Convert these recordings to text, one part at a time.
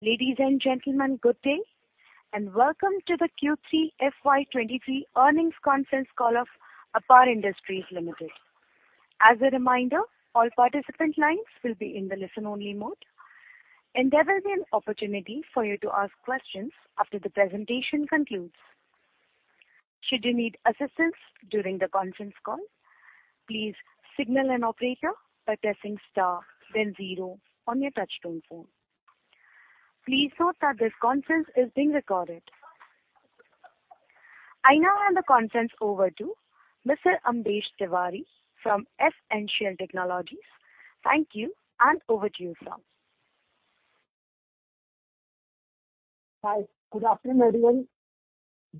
Ladies and gentlemen, good day. Welcome to the Q3 FY 2023 Earnings Conference Call of APAR Industries Limited. As a reminder, all participant lines will be in the listen-only mode. There will be an opportunity for you to ask questions after the presentation concludes. Should you need assistance during the conference call, please signal an operator by pressing star then zero on your touchtone phone. Please note that this conference is being recorded. I now hand the conference over to Mr. Ambesh Tiwari from S-Ancial Technologies. Thank you. Over to you, sir. Hi. Good afternoon, everyone.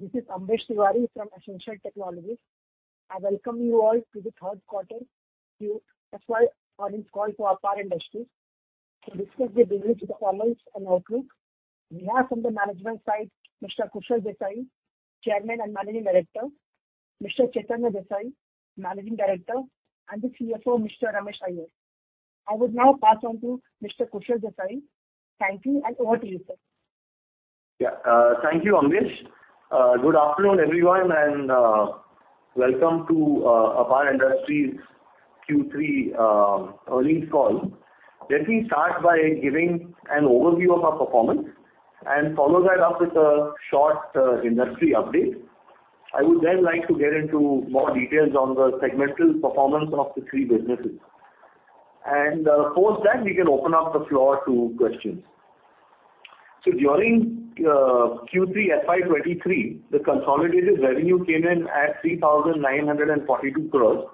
This is Tiwari from S-Ancial Technologies. I welcome you all to the third quarter Q FY earnings call to APAR Industries to discuss the business performance and outlook. We have from the management side, Mr. Kushal Desai, Chairman and Managing Director, Mr. Chaitanya Desai, Managing Director, and the CFO, Mr. Ramesh Iyer. I would now pass on to Mr. Kushal Desai. Thank you, and over to you, sir. Thank you, Ambesh. Good afternoon, everyone, welcome to APAR Industries' Q3 earnings call. Let me start by giving an overview of our performance and follow that up with a short industry update. I would like to get into more details on the segmental performance of the three businesses. Post that, we can open up the floor to questions. During Q3 FY 2023, the consolidated revenue came in at 3,942 crores,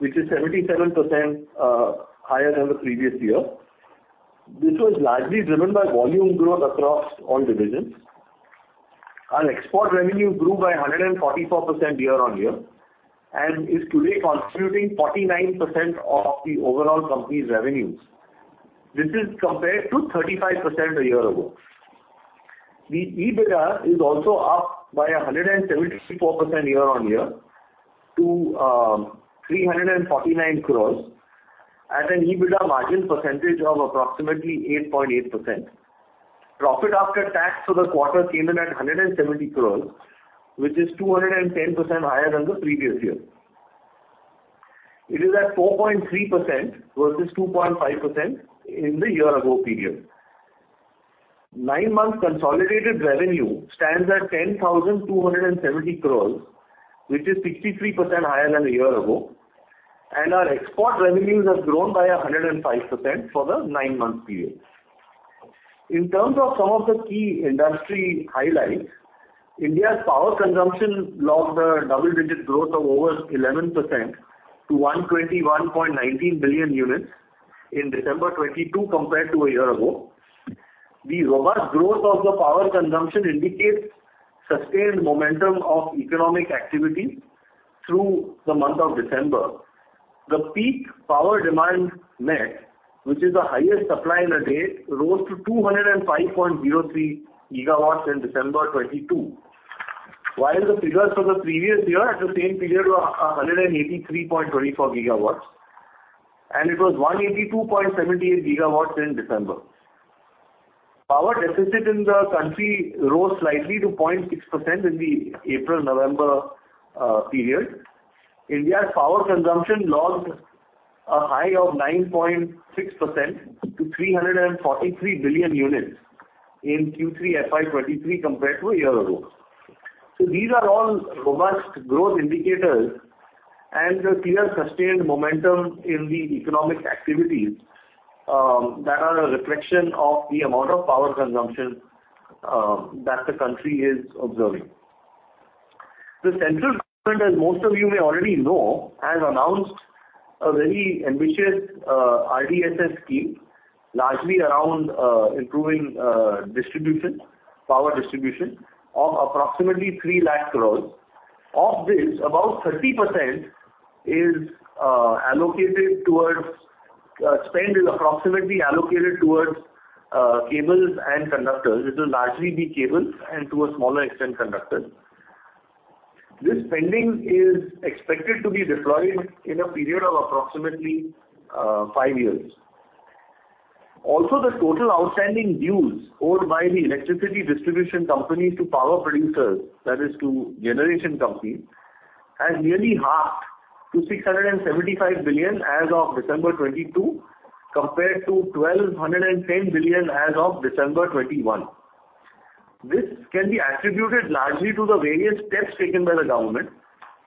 which is 77% higher than the previous year. This was largely driven by volume growth across all divisions. Our export revenue grew by 144% year-on-year, and is today contributing 49% of the overall company's revenues. This is compared to 35% a year ago. The EBITDA is also up by 174% year-over-year to 349 crores, at an EBITDA margin percentage of approximately 8.8%. Profit after tax for the quarter came in at 170 crores, which is 210% higher than the previous year. It is at 4.3% versus 2.5% in the year ago period. nine months consolidated revenue stands at 10,270 crores, which is 63% higher than a year ago, and our export revenues have grown by 105% for the nine-month period. In terms of some of the key industry highlights, India's power consumption logged a double-digit growth of over 11% to 121.19 billion units in December 2022 compared to a year ago. The robust growth of the power consumption indicates sustained momentum of economic activity through the month of December. The peak power demand met, which is the highest supply in a day, rose to 205.03 gigawatts in December 2022, while the figures for the previous year at the same period were 183.24 gigawatts, and it was 182.78 gigawatts in December. Power deficit in the country rose slightly to 0.6% in the April-November period. India's power consumption logged a high of 9.6% to 343 billion units in Q3 FY 2023 compared to a year ago. These are all robust growth indicators and a clear sustained momentum in the economic activities that are a reflection of the amount of power consumption that the country is observing. The central government, as most of you may already know, has announced a very ambitious RDSS scheme, largely around improving distribution, power distribution of approximately 3 lakh crores INR. Of this, about 30% is allocated towards spend is approximately allocated towards cables and conductors. It will largely be cables and to a smaller extent, conductors. This spending is expected to be deployed in a period of approximately five years. Also, the total outstanding dues owed by the electricity distribution companies to power producers, that is to generation companies, has nearly halved to 675 billion as of December 2022, compared to 1,210 billion as of December 2021. This can be attributed largely to the various steps taken by the government,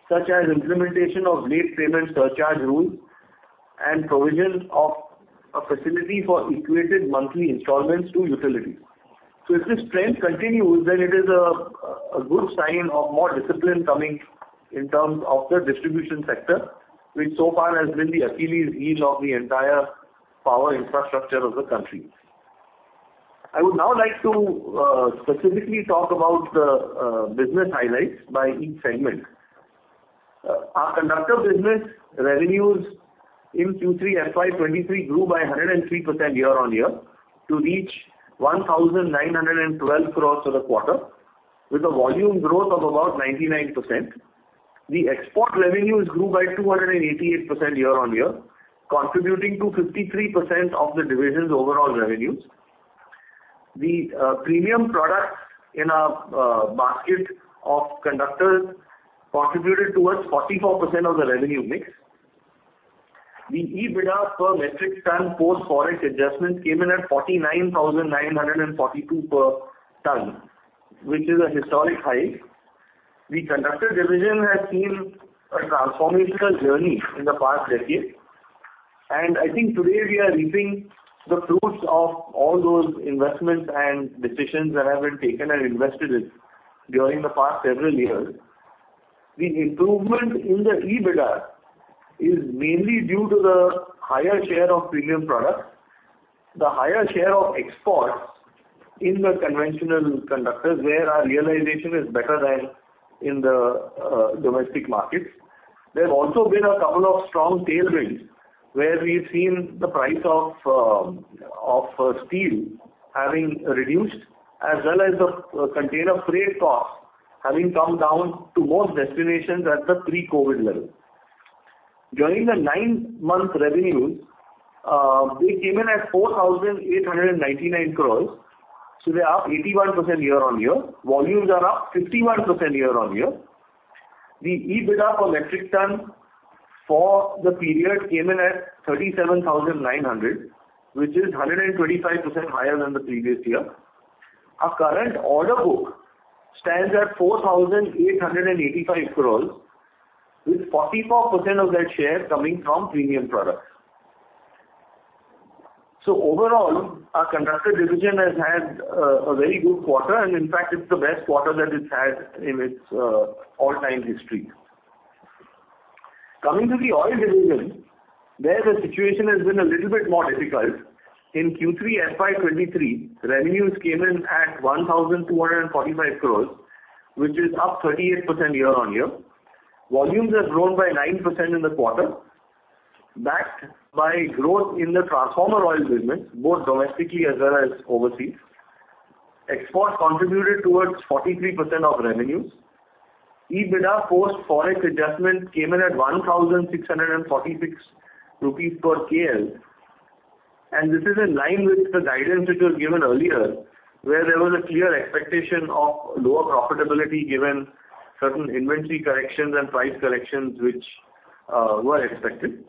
such as implementation of late payment surcharge rules and provision of a facility for equated monthly installments to utilities. If this trend continues, then it is a good sign of more discipline coming in terms of the distribution sector, which so far has been the Achilles' heel of the entire power infrastructure of the country. I would now like to specifically talk about the business highlights by each segment. Our conductor business revenues in Q3 FY 2023 grew by 103% year-on-year to reach 1,912 crores for the quarter, with a volume growth of about 99%. The export revenues grew by 288% year-on-year, contributing to 53% of the division's overall revenues. The premium products in our basket of conductors contributed towards 44% of the revenue mix. The EBITDA per metric ton post-forex adjustments came in at 49,942 per ton, which is a historic high. The conductor division has seen a transformational journey in the past decade, and I think today we are reaping the fruits of all those investments and decisions that have been taken and invested in during the past several years. The improvement in the EBITDA is mainly due to the higher share of premium products, the higher share of exports in the conventional conductors, where our realization is better than in the domestic markets. There have also been a couple of strong tailwinds where we've seen the price of steel having reduced, as well as the container freight costs having come down to most destinations at the pre-COVID level. During the nine-month revenues, they came in at 4,899 crores, so they're up 81% year-on-year. Volumes are up 51% year-on-year. The EBITDA for metric ton for the period came in at 37,900, which is 125% higher than the previous year. Our current order book stands at 4,885 crores, with 44% of that share coming from premium products. Overall, our conductor division has had a very good quarter, and in fact it's the best quarter that it's had in its all-time history. There the situation has been a little bit more difficult. In Q3 FY 2023, revenues came in at 1,245 crores, which is up 38% year-on-year. Volumes have grown by 9% in the quarter, backed by growth in the transformer oil business, both domestically as well as overseas. Exports contributed towards 43% of revenues. EBITDA post-forex adjustments came in at 1,646 rupees per KL, and this is in line with the guidance which was given earlier, where there was a clear expectation of lower profitability given certain inventory corrections and price corrections which were expected.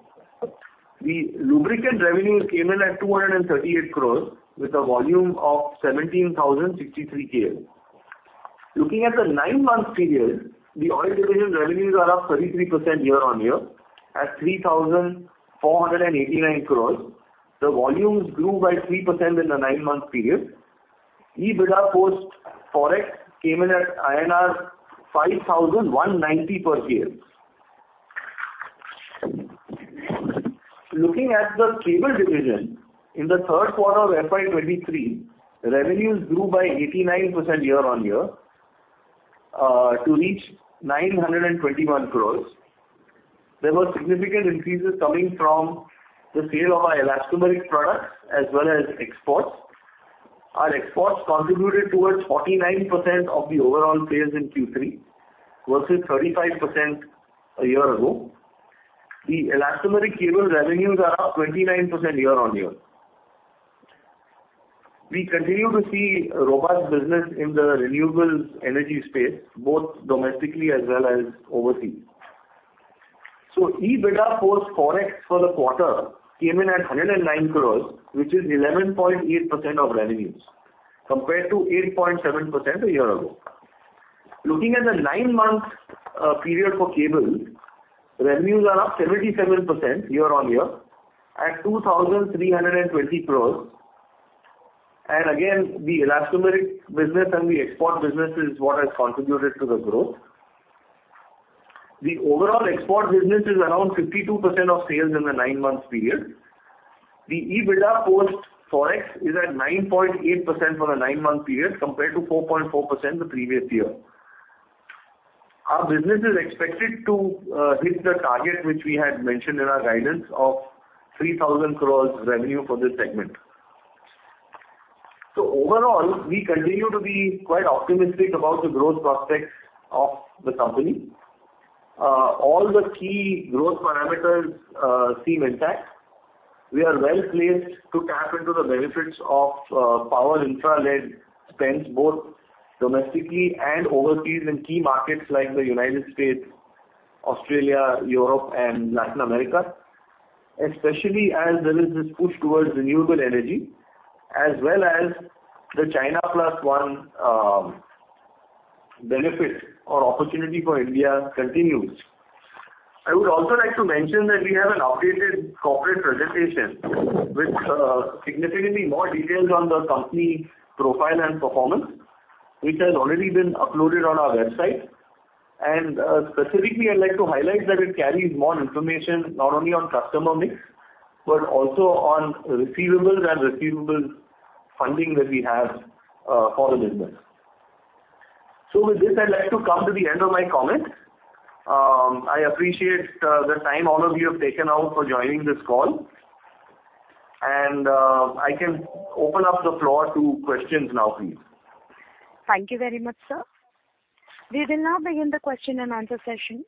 The lubricant revenues came in at 238 crores with a volume of 17,063 KL. Looking at the nine-month period, the oil division revenues are up 33% year-on-year at 3,489 crore. The volumes grew by 3% in the nine-month period. EBITDA post-forex came in at INR 5,190 per KL. Looking at the cable division, in the third quarter of FY 2023, revenues grew by 89% year-on-year to reach 921 crore. There were significant increases coming from the sale of our elastomeric products as well as exports. Our exports contributed towards 49% of the overall sales in Q3 versus 35% a year ago. The elastomeric cable revenues are up 29% year-on-year. We continue to see a robust business in the renewables energy space, both domestically as well as overseas. EBITDA post-forex for the quarter came in at 109 crores, which is 11.8% of revenues, compared to 8.7% a year ago. Looking at the nine-month period for cable, revenues are up 77% year-on-year at 2,320 crores. Again, the elastomeric business and the export business is what has contributed to the growth. The overall export business is around 52% of sales in the nine-month period. The EBITDA post-forex is at 9.8% for the nine-month period, compared to 4.4% the previous year. Our business is expected to hit the target which we had mentioned in our guidance of 3,000 crores revenue for this segment. Overall, we continue to be quite optimistic about the growth prospects of the company. All the key growth parameters seem intact. We are well-placed to tap into the benefits of power infra-led spends, both domestically and overseas in key markets like the United States, Australia, Europe, and Latin America, especially as there is this push towards renewable energy as well as the China Plus One benefit or opportunity for India continues. I would also like to mention that we have an updated corporate presentation with significantly more details on the company profile and performance, which has already been uploaded on our website. Specifically, I'd like to highlight that it carries more information not only on customer mix, but also on receivables and receivables funding that we have for the business. With this, I'd like to come to the end of my comments. I appreciate the time all of you have taken out for joining this call. I can open up the floor to questions now please. Thank you very much, sir. We will now begin the question and answer session.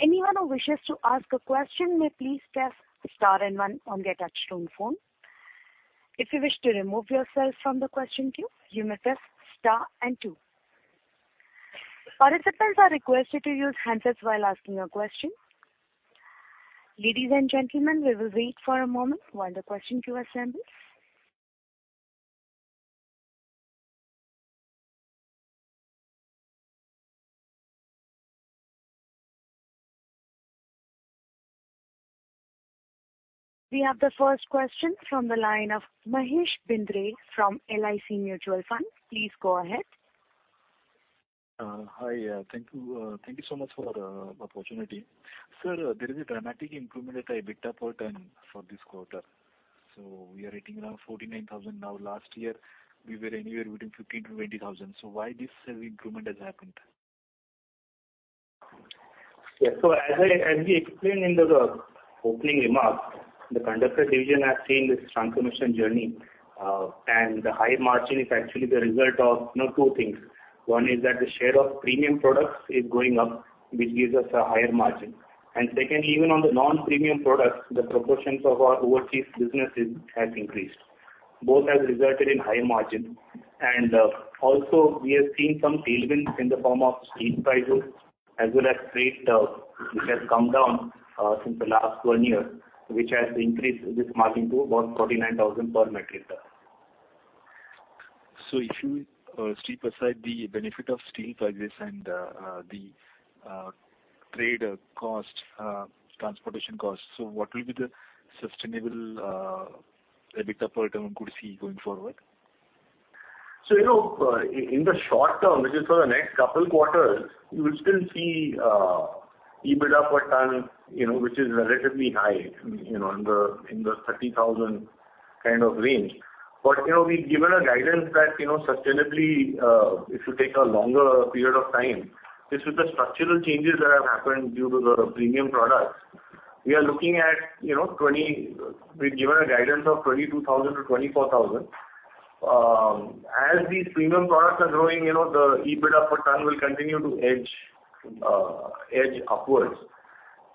Anyone who wishes to ask a question may please press star and one on their touchtone phone. If you wish to remove yourself from the question queue, you may press star and two. Participants are requested to use handsets while asking your question. Ladies and gentlemen, we will wait for a moment while the question queue assembles. We have the first question from the line of Mahesh Bendre from LIC Mutual Fund. Please go ahead. Hi. Thank you, thank you so much for the opportunity. Sir, there is a dramatic improvement at EBITDA per ton for this quarter, so we are hitting around 49,000 now. Last year we were anywhere between 15,000-20,000. Why this improvement has happened? As we explained in the opening remarks, the conductors division has seen this transformation journey, and the high margin is actually the result of, you know, two things. One is that the share of premium products is going up, which gives us a higher margin. Secondly, even on the non-premium products, the proportions of our overseas businesses has increased. Both have resulted in high margin. Also we have seen some tailwinds in the form of steel prices as well as freight, which has come down since the last one year, which has increased this margin to about 49,000 per metric ton. If you keep aside the benefit of steel prices and the trade costs, transportation costs, so what will be the sustainable EBITDA per ton could see going forward? In the short term, which is for the next couple quarters, you will still see EBITDA per ton, which is relatively high, in the 30,000 kind of range. We've given a guidance that sustainably it should take a longer period of time. This is the structural changes that have happened due to the premium products. We've given a guidance of 22,000-24,000. As these premium products are growing, the EBITDA per ton will continue to edge upwards.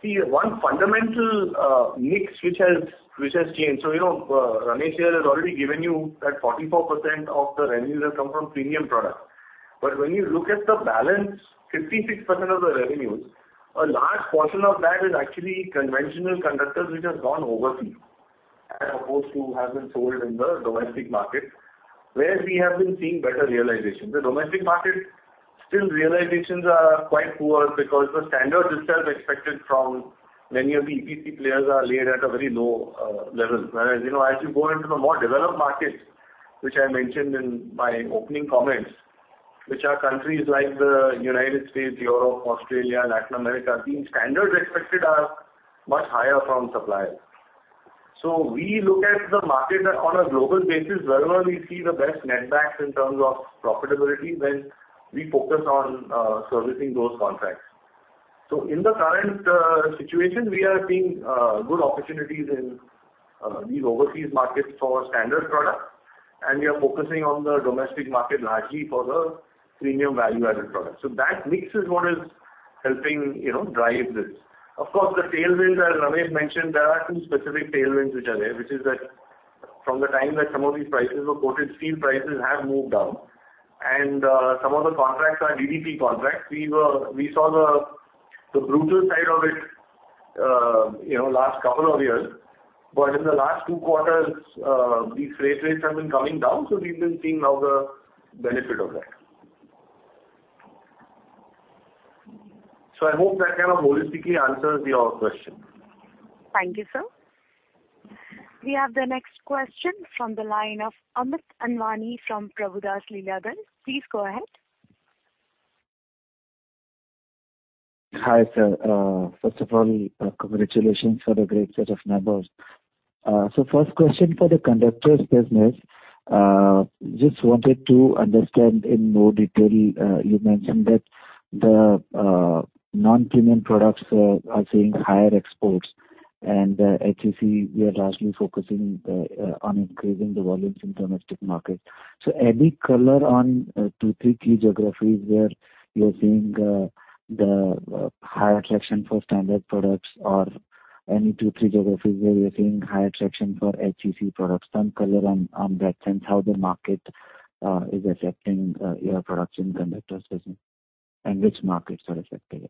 One fundamental mix which has changed, Ramesh Iyer has already given you that 44% of the revenues have come from premium products. When you look at the balance, 56% of the revenues, a large portion of that is actually conventional conductors which has gone overseas as opposed to have been sold in the domestic market, where we have been seeing better realization. The domestic market, still realizations are quite poor because the standards itself expected from many of the EPC players are laid at a very low level. Whereas, you know, as you go into the more developed markets, which I mentioned in my opening comments, which are countries like the United States, Europe, Australia, Latin America, the standards expected are much higher from suppliers. We look at the market on a global basis. Wherever we see the best net backs in terms of profitability, then we focus on servicing those contracts. In the current situation, we are seeing good opportunities in these overseas markets for standard products, and we are focusing on the domestic market largely for the premium value-added products. That mix is what is helping, you know, drive this. Of course, the tailwinds, as Ramesh mentioned, there are two specific tailwinds which are there, which is that from the time that some of these prices were quoted, steel prices have moved up and some of the contracts are DDP contracts. We saw the brutal side of it, you know, last couple of years. In the last two quarters, these freight rates have been coming down, so we've been seeing now the benefit of that. I hope that kind of holistically answers your question. Thank you, sir. We have the next question from the line of Amit Anwani from Prabhudas Lilladher. Please go ahead. Hi, sir. First of all, congratulations for the great set of numbers. First question for the conductors business. Just wanted to understand in more detail, you mentioned that the non-premium products are seeing higher exports and HCC, we are largely focusing on increasing the volumes in domestic markets. Any color on two, three key geographies where you're seeing higher traction for standard products or any two, three geographies where you're seeing higher traction for HCC products. Some color on that and how the market is affecting your products in conductors business and which markets are affected.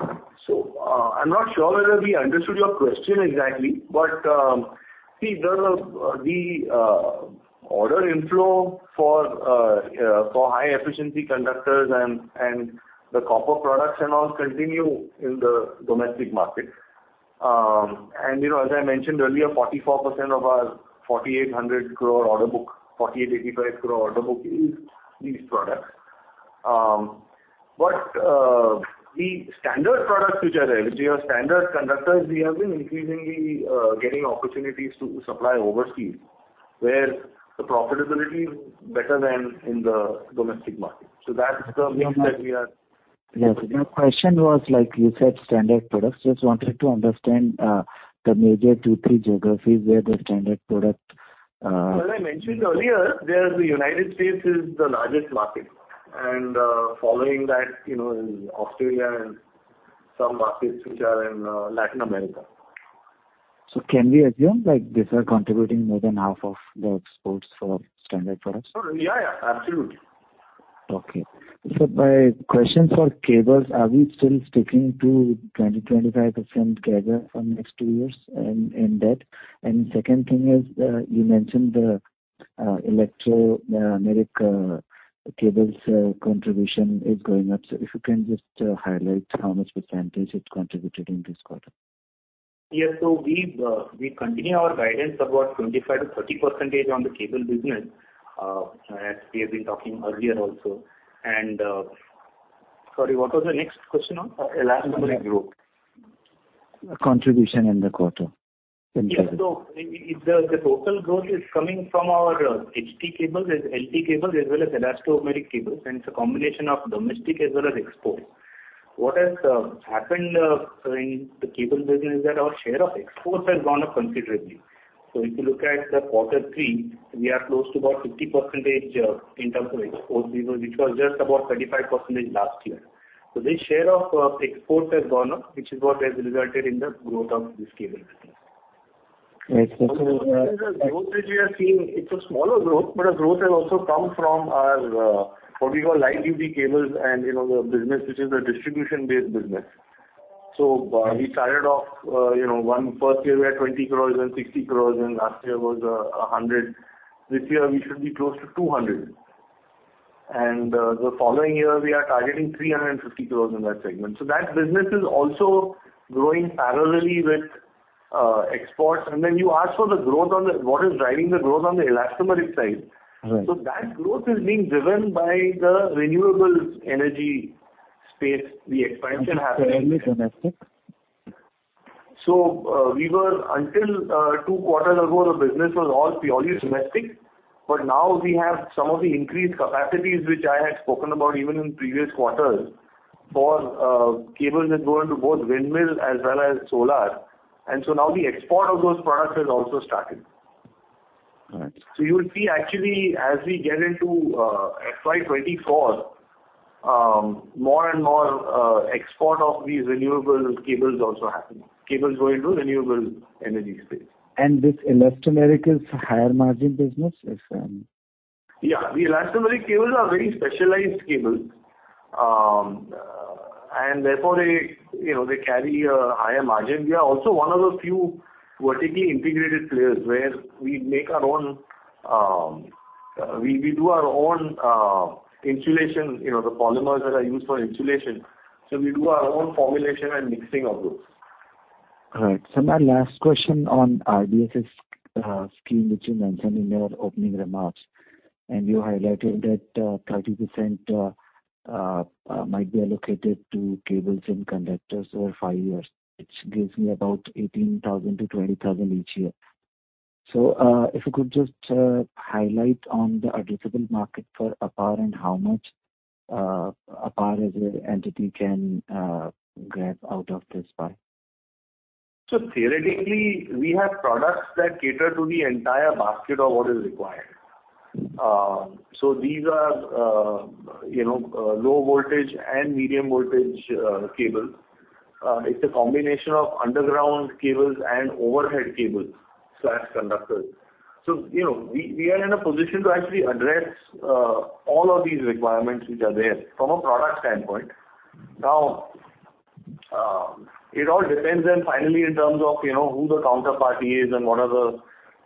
I'm not sure whether we understood your question exactly, but see the order inflow for high efficiency conductors and the copper products and all continue in the domestic market. You know, as I mentioned earlier, 44% of our 4,800 crore order book, 4,885 crore order book is these products. The standard products which are there, which your standard conductors, we have been increasingly getting opportunities to supply overseas where the profitability better than in the domestic market. That's the mix that we are Yeah. The question was like you said standard products. Just wanted to understand the major two, three geographies where the standard product. As I mentioned earlier, there's the United States is the largest market, and, following that, you know, Australia and some markets which are in, Latin America. Can we assume like these are contributing more than half of the exports for standard products? Yeah. Yeah, absolutely. Okay. My question for cables, are we still sticking to 20%-25% cable for next two years and that? Second thing is, you mentioned the elastomeric cables contribution is going up. If you can just highlight how much % it contributed in this quarter. Yes. We've, we continue our guidance about 25%-30% on the cable business, as we have been talking earlier also. Sorry, what was the next question on elastomeric growth? Contribution in the quarter in terms Yes. If the total growth is coming from our HT cables, as LT cables, as well as elastomeric cables, and it's a combination of domestic as well as export. What has happened in the cable business is that our share of exports has gone up considerably. If you look at the quarter three, we are close to about 50% in terms of exports, which was just about 35% last year. The share of export has gone up, which is what has resulted in the growth of this cable business. Right. The growth that we are seeing, it's a smaller growth, but a growth has also come from our, what we call live UV cables and, you know, the business which is a distribution-based business. We started off, you know, one first year we had 20 crores, then 60 crores, and last year was 100 crores. This year we should be close to 200 crores. The following year we are targeting 350 crores in that segment. That business is also growing parallelly with exports. Then you ask for the growth on the what is driving the growth on the elastomeric side. Right. That growth is being driven by the renewables energy space, the expansion happening. Mainly domestic? We were until two quarters ago, the business was all purely domestic, but now we have some of the increased capacities which I had spoken about even in previous quarters for cables that go into both windmill as well as solar. Now the export of those products has also started. Right. You will see actually as we get into FY 2024, more and more export of these renewable cables also happening. Cables going to renewable energy space. This elastomeric is a higher margin business? It's. Yeah. The elastomeric cables are very specialized cables. Therefore they, you know, they carry a higher margin. We are also one of the few vertically integrated players where we make our own, we do our own insulation, you know, the polymers that are used for insulation. We do our own formulation and mixing of those. My last question on RDSS scheme, which you mentioned in your opening remarks, and you highlighted that 30% might be allocated to cables and conductors over five years, which gives me about 18,000-20,000 each year. If you could just highlight on the addressable market for APAR and how much APAR as an entity can grab out of this pie. Theoretically, we have products that cater to the entire basket of what is required. These are, you know, low voltage and medium voltage cables. It's a combination of underground cables and overhead cables slash conductors. You know, we are in a position to actually address all of these requirements which are there from a product standpoint. Now, it all depends then finally in terms of, you know, who the counterparty is and what are the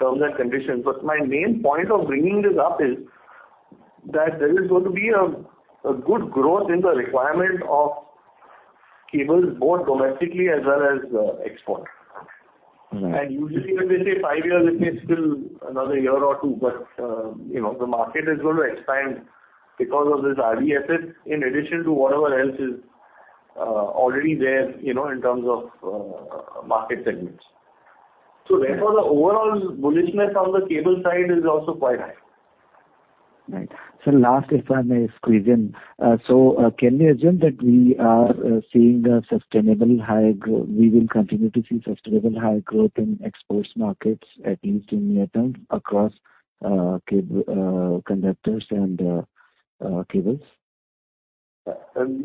terms and conditions. My main point of bringing this up is that there is going to be a good growth in the requirement of cables, both domestically as well as export. Right. Usually when they say five years, it means still another year or two, but, you know, the market is going to expand because of this RDSS in addition to whatever else is already there, you know, in terms of market segments. Therefore, the overall bullishness on the cable side is also quite high. Right. Last, if I may squeeze in. Can we assume that we will continue to see sustainable high growth in exports markets, at least in near term across conductors and cables?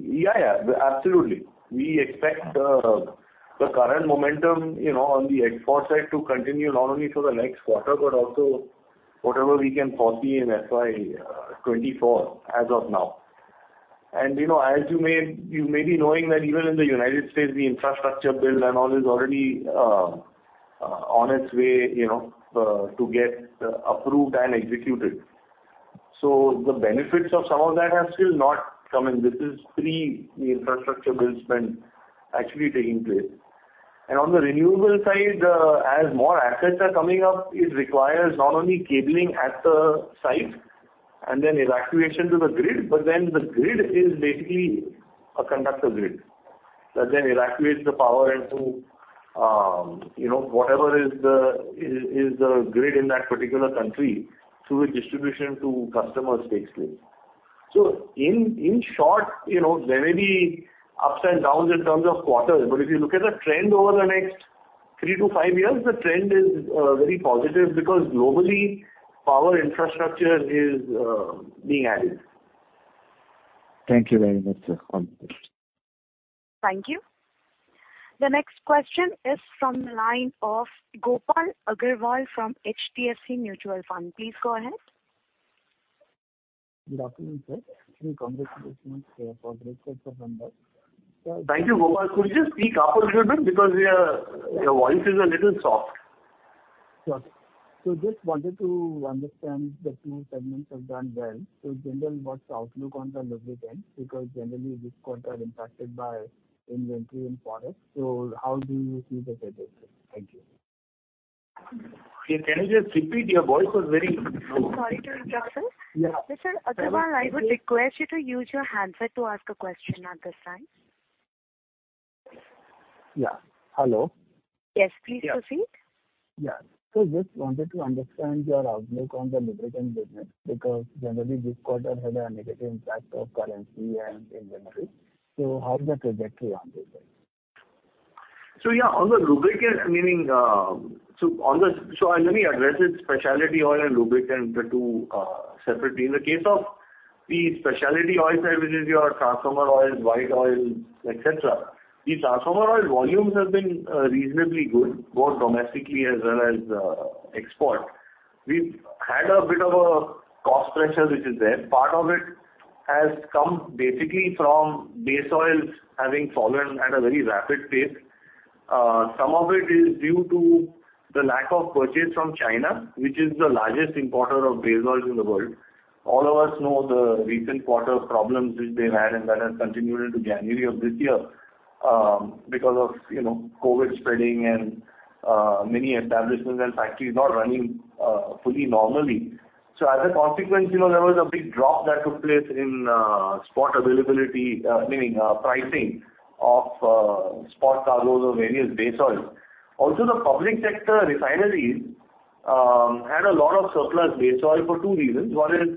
Yeah, absolutely. We expect the current momentum, you know, on the export side to continue not only for the next quarter, but also whatever we can foresee in FY 2024 as of now. You know, as you may be knowing that even in the United States the infrastructure build and all is already on its way, you know, to get approved and executed. The benefits of some of that have still not come in. This is pre the infrastructure build spend actually taking place. On the renewable side, as more assets are coming up, it requires not only cabling at the site and then evacuation to the grid, but then the grid is basically a conductor grid. That then evacuates the power into, you know, whatever is the grid in that particular country through which distribution to customers takes place. In, in short, you know, there may be ups and downs in terms of quarters, but if you look at the trend over the next three-five years, the trend is very positive because globally power infrastructure is being added. Thank you very much, sir. Thank you. The next question is from the line of Gopal Agrawal from HDFC Mutual Fund. Please go ahead. Good afternoon, sir. Many congratulations for great set of numbers. Thank you, Gopal. Could you speak up a little bit because we are, your voice is a little soft. Sure, sir. Just wanted to understand the two segments have done well. Generally, what's the outlook on the lubricants? Because generally this quarter impacted by inventory and products. How do you see the trajectory? Thank you. Can you just repeat? Your voice was very low. Sorry to interrupt, sir. Yeah. Mr. Agrawal, I would request you to use your handset to ask a question at this time. Yeah. Hello. Yes, please proceed. Yeah. Just wanted to understand your outlook on the lubricant business because generally this quarter had a negative impact of currency and inventory. How is the trajectory on this end? On the lubricant, let me address it specialty oil and lubricant, the two separately. In the case of the specialty oils, which is your transformer oils, white oils, et cetera, the transformer oil volumes have been reasonably good, both domestically as well as export. We've had a bit of a cost pressure which is there. Part of it has come basically from base oils having fallen at a very rapid pace. Some of it is due to the lack of purchase from China, which is the largest importer of base oils in the world. All of us know the recent quarter problems which they've had, and that has continued into January of this year, because of, you know, COVID spreading and many establishments and factories not running fully normally. As a consequence, you know, there was a big drop that took place in spot availability, meaning pricing of spot cargoes of various base oils. The public sector refineries had a lot of surplus base oil for two reasons. One is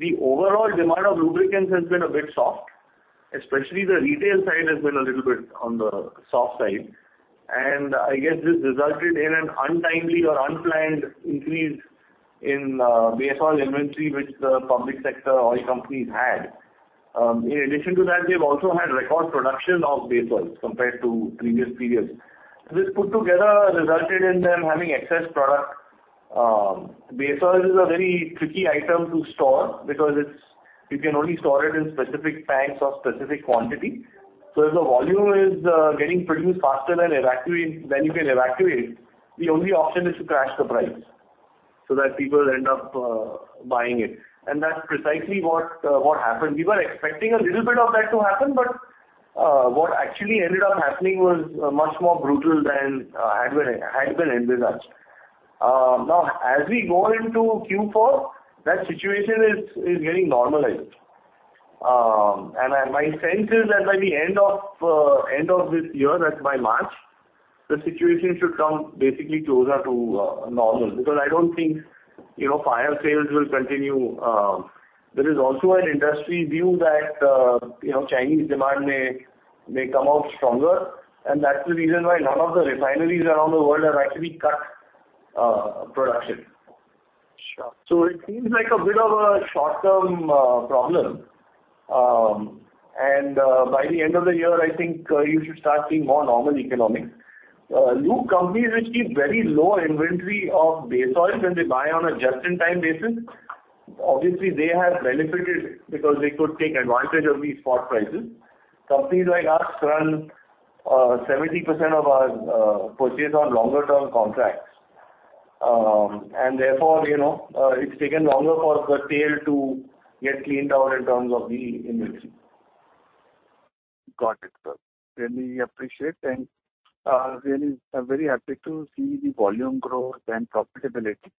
the overall demand of lubricants has been a bit soft, especially the retail side has been a little bit on the soft side. I guess this resulted in an untimely or unplanned increase in base oil inventory which the public sector oil companies had. In addition to that, they've also had record production of base oils compared to previous periods. This put together resulted in them having excess product. Base oil is a very tricky item to store because you can only store it in specific tanks of specific quantity. If the volume is getting produced faster than you can evacuate, the only option is to crash the price so that people end up buying it. That's precisely what happened. We were expecting a little bit of that to happen, what actually ended up happening was much more brutal than had been envisaged. Now as we go into Q4, that situation is getting normalized. My sense is that by the end of this year, that's by March, the situation should come basically closer to normal, because I don't think, you know, fire sales will continue. There is also an industry view that, you know, Chinese demand may come out stronger. That's the reason why lot of the refineries around the world have actually cut production. Sure. It seems like a bit of a short-term problem. By the end of the year, I think, you should start seeing more normal economics. Lube companies which keep very low inventory of base oils and they buy on a just-in-time basis, obviously they have benefited because they could take advantage of these spot prices. Companies like us run 70% of our purchase on longer term contracts. Therefore, you know, it's taken longer for the tail to get cleaned out in terms of the inventory. Got it, sir. Really appreciate and, really, I'm very happy to see the volume growth and profitability.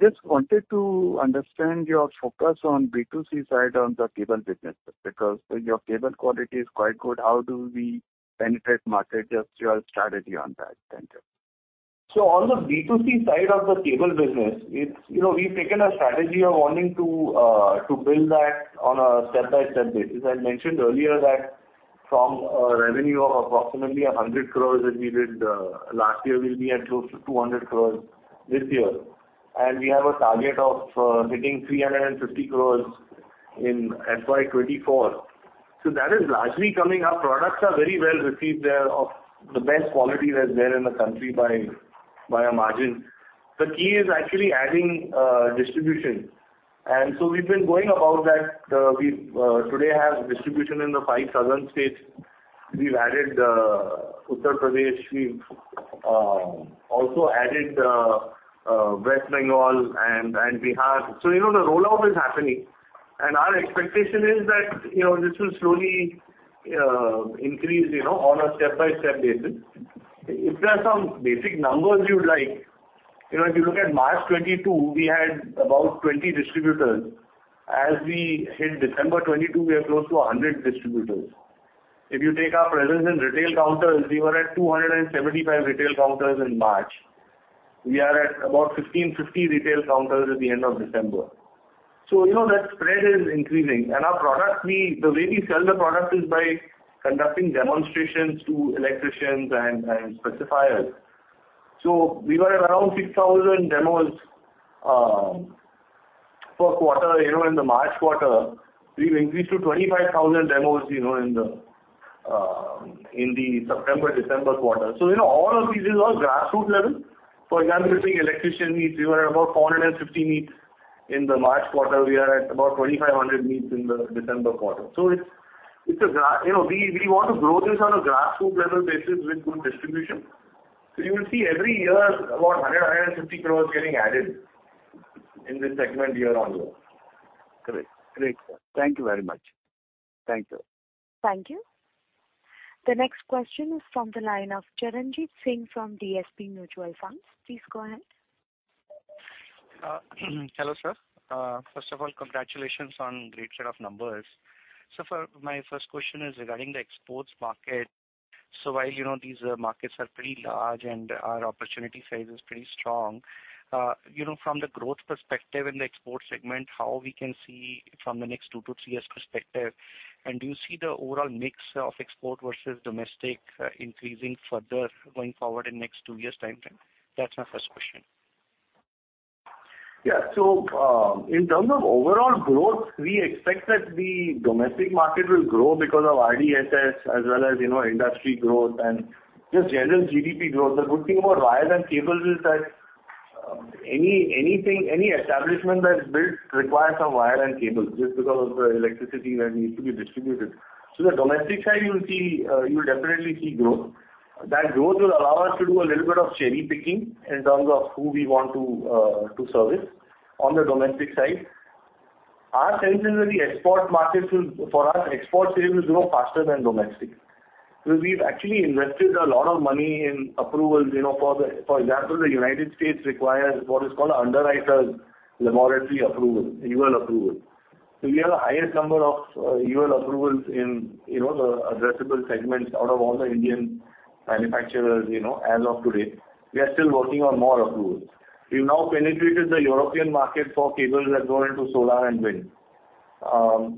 Just wanted to understand your focus on B2C side on the cable business, because your cable quality is quite good. How do we penetrate market? Just your strategy on that. Thank you. On the B2C side of the cable business, it's, you know, we've taken a strategy of wanting to build that on a step-by-step basis. I mentioned earlier that from a revenue of approximately 100 crore that we did last year, we'll be at close to 200 crore this year. We have a target of hitting 350 crore in FY 2024. That is largely coming. Our products are very well received. They're of the best quality that's there in the country by a margin. The key is actually adding distribution. We've been going about that. We today have distribution in the five southern states. We've added Uttar Pradesh. We've also added West Bengal and Bihar. You know, the rollout is happening. Our expectation is that, you know, this will slowly increase, you know, on a step-by-step basis. If there are some basic numbers you'd like. You know, if you look at March 2022, we had about 20 distributors. As we hit December 2022, we are close to 100 distributors. If you take our presence in retail counters, we were at 275 retail counters in March. We are at about 1,550 retail counters at the end of December. You know that spread is increasing, and our product The way we sell the product is by conducting demonstrations to electricians and specifiers. We were at around 6,000 demos per quarter. You know, in the March quarter, we've increased to 25,000 demos, you know, in the September-December quarter. You know, all of these is all grassroot level. For example, between electrician meets, we were at about 450 meets in the March quarter. We are at about 2,500 meets in the December quarter. It's a, you know, we want to grow this on a grassroot level basis with good distribution. You will see every year about 100 crores, 150 crores getting added in this segment year-on-year. Great. Great. Thank you very much. Thank you. Thank you. The next question is from the line of Charanjit Singh from DSP Mutual Fund. Please go ahead. Hello, sir. First of all, congratulations on great set of numbers. My first question is regarding the exports market. While, you know, these markets are pretty large and our opportunity size is pretty strong, you know, from the growth perspective in the export segment, how we can see from the next two-three years perspective? Do you see the overall mix of export versus domestic increasing further going forward in next two years' time frame? That's my first question. Yeah. In terms of overall growth, we expect that the domestic market will grow because of RDSS as well as, you know, industry growth and just general GDP growth. The good thing about wire and cable is that anything, any establishment that is built requires some wire and cable just because of the electricity that needs to be distributed. The domestic side, you'll see, you'll definitely see growth. That growth will allow us to do a little bit of cherry-picking in terms of who we want to service on the domestic side. Our sense is that the export markets for us, export sales will grow faster than domestic. We've actually invested a lot of money in approvals. You know, for example, the United States requires what is called a Underwriters Laboratories approval, U.L. approval. We have the highest number of UL approvals in, you know, the addressable segments out of all the Indian manufacturers, you know, as of today. We are still working on more approvals. We've now penetrated the European market for cables that go into solar and wind.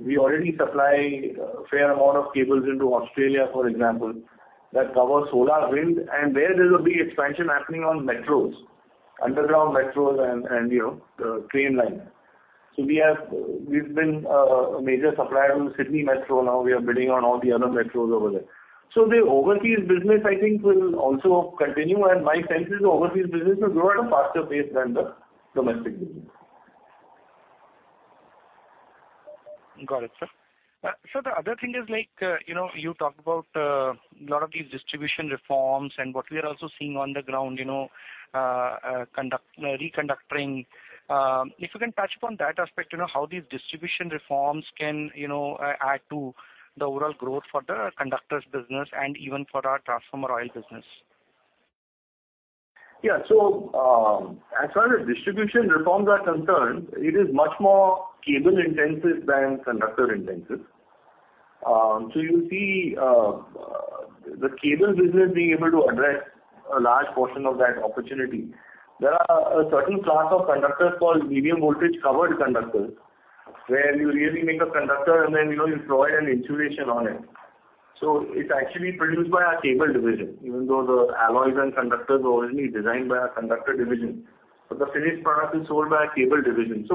We already supply a fair amount of cables into Australia, for example, that cover solar, wind, and where there's a big expansion happening on metros, underground metros and, you know, train lines. We've been a major supplier to the Sydney Metro. Now we are bidding on all the other metros over there. The overseas business, I think, will also continue, and my sense is the overseas business will grow at a faster pace than the domestic business. Got it, sir. The other thing is like, you know, you talked about a lot of these distribution reforms and what we are also seeing on the ground, you know, re-conductoring. If you can touch upon that aspect, you know, how these distribution reforms can, you know, add to the overall growth for the conductors business and even for our transformer oil business? As far as distribution reforms are concerned, it is much more cable-intensive than conductor-intensive. You'll see the cable business being able to address a large portion of that opportunity. There are a certain class of conductors called medium voltage covered conductors. Mm-hmm. Where you really make a conductor and then, you know, you throw an insulation on it. It's actually produced by our cable division, even though the alloys and conductors are originally designed by our conductor division. The finished product is sold by our cable division.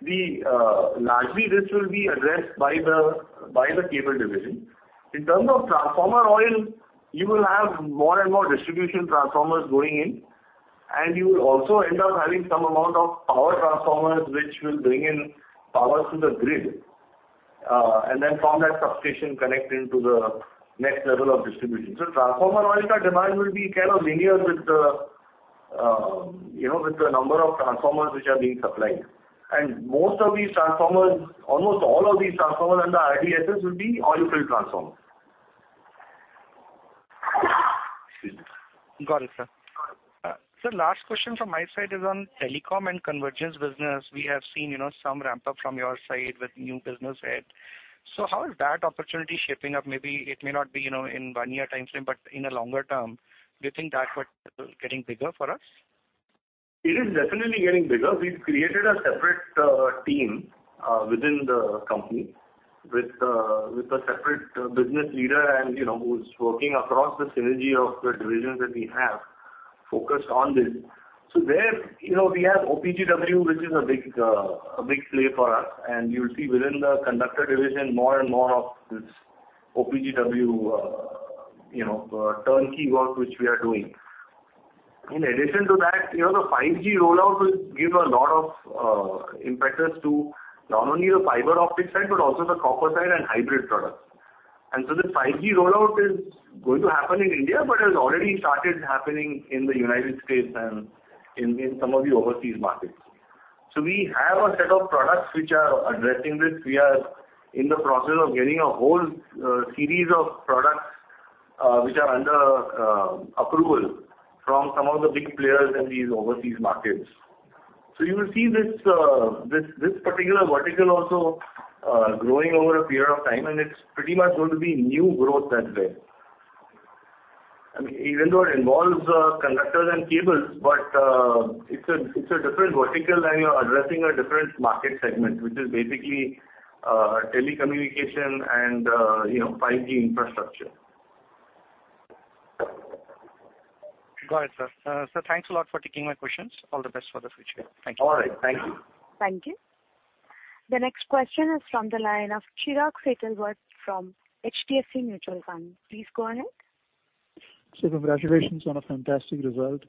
We largely this will be addressed by the, by the cable division. In terms of transformer oil, you will have more and more distribution transformers going in, and you will also end up having some amount of power transformers which will bring in power to the grid, and then from that substation connect into the next level of distribution. Transformer oil demand will be kind of linear with the, you know, with the number of transformers which are being supplied. Most of these transformers, almost all of these transformers under RDSS will be oil-filled transformers. Excuse me. Got it, sir. Sir, last question from my side is on telecom and convergence business. We have seen, you know, some ramp-up from your side with new business head. How is that opportunity shaping up? Maybe it may not be, you know, in one-year timeframe, but in a longer term, do you think that would, getting bigger for us? It is definitely getting bigger. We've created a separate team within the company with a separate business leader and, you know, who's working across the synergy of the divisions that we have focused on this. There, you know, we have OPGW, which is a big, a big play for us, and you'll see within the conductor division more and more of this OPGW, you know, turnkey work which we are doing. In addition to that, you know, the 5G rollout will give a lot of impetus to not only the fiber optic side but also the copper side and hybrid products. The 5G rollout is going to happen in India, but it has already started happening in the United States and in some of the overseas markets. We have a set of products which are addressing this. We are in the process of getting a whole series of products. Which are under approval from some of the big players in these overseas markets. You will see this particular vertical also growing over a period of time, and it's pretty much going to be new growth that way. I mean, even though it involves conductors and cables, it's a different vertical and you're addressing a different market segment, which is basically telecommunication and, you know, 5G infrastructure. Got it, sir. Sir, thanks a lot for taking my questions. All the best for the future. Thank you. All right. Thank you. Thank you. The next question is from the line of Chirag Setalvad from HDFC Mutual Fund. Please go ahead. Sir, congratulations on a fantastic result.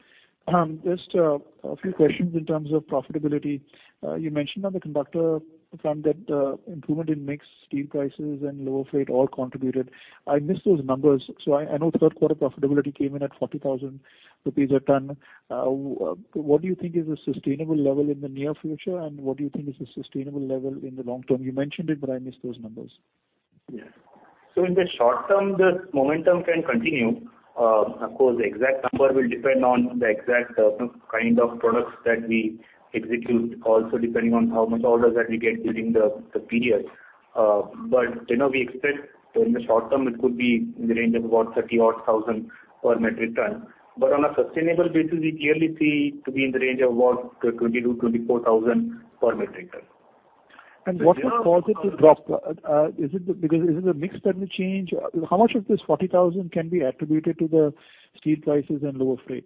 Just a few questions in terms of profitability. You mentioned on the conductor front that improvement in mix, steel prices and lower freight all contributed. I missed those numbers. I know third quarter profitability came in at 40,000 rupees a ton. What do you think is a sustainable level in the near future, and what do you think is a sustainable level in the long term? You mentioned it, but I missed those numbers. Yeah. In the short term, the momentum can continue. Of course, the exact number will depend on the exact, kind of products that we execute, also depending on how much orders that we get during the period. You know, we expect in the short term, it could be in the range of about 30,000 odd per metric ton. On a sustainable basis, we clearly see to be in the range of about 22,000-24,000 per metric ton. What would cause it to drop? Is it the mix that will change? How much of this 40,000 can be attributed to the steel prices and lower freight?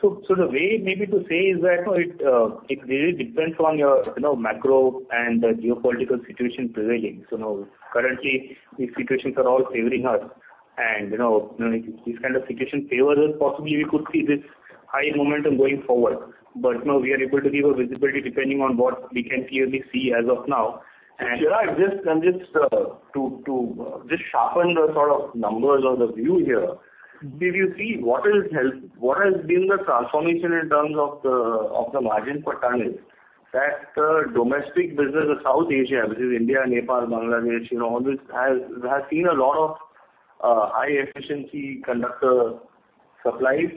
So the way maybe to say is that, you know, it really depends on your, you know, macro and geopolitical situation prevailing. Now, currently these situations are all favoring us. You know, you know, if this kind of situation favors us, possibly we could see this high momentum going forward. You know, we are able to give a visibility depending on what we can clearly see as of now. Chirag, just to just sharpen the sort of numbers or the view here, did you see what is what has been the transformation in terms of the of the margin per ton, is that the domestic business of South Asia, which is India, Nepal, Bangladesh, you know, all this has seen a lot of high efficiency conductor supplies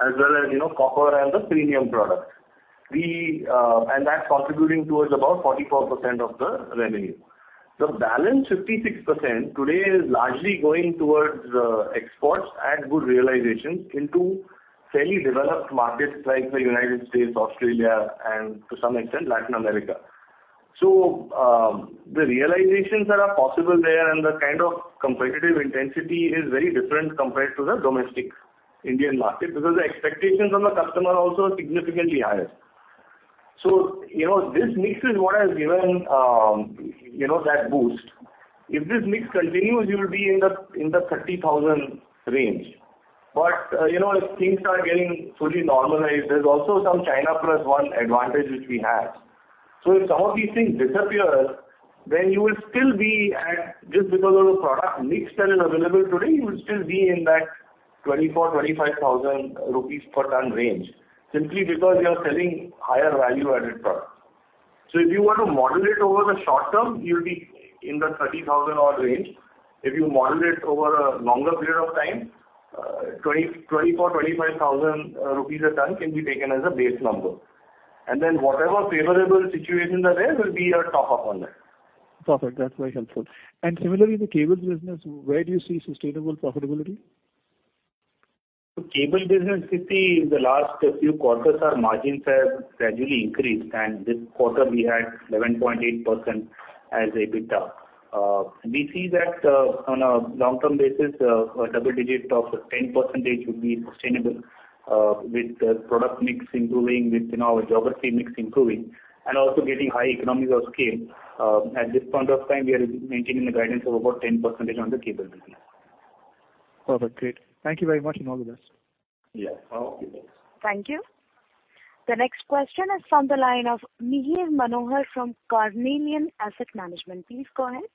as well as, you know, copper and the premium products? We and that's contributing towards about 44% of the revenue. The balance 56% today is largely going towards exports at good realizations into fairly developed markets like the United States, Australia, and to some extent Latin America. The realizations that are possible there and the kind of competitive intensity is very different compared to the domestic Indian market, because the expectations on the customer also are significantly higher. This mix is what has given, you know, that boost. If this mix continues, you will be in the 30,000 range. If things are getting fully normalized, there's also some China Plus One advantage which we have. If some of these things disappear, then you will still be at just because of the product mix that is available today, you will still be in that 24,000-25,000 rupees per ton range, simply because you are selling higher value added products. If you want to model it over the short term, you'll be in the 30,000 odd range. If you model it over a longer period of time, 20 thousand rupees, 24 thousand rupees, 25 thousand rupees a ton can be taken as a base number. Whatever favorable situations are there will be a top up on that. Perfect. That's very helpful. Similarly, the cables business, where do you see sustainable profitability? The cable business, if you see in the last few quarters, our margins have gradually increased, and this quarter we had 11.8% as EBITDA. We see that, on a long-term basis, a double digit of 10% would be sustainable, with the product mix improving, with, you know, our geography mix improving and also getting high economies of scale. At this point of time, we are maintaining the guidance of about 10% on the cable business. Perfect. Great. Thank you very much, and all the best. Yeah. All the best. Thank you. The next question is from the line of Mihir Manohar from Carnelian Asset Management. Please go ahead.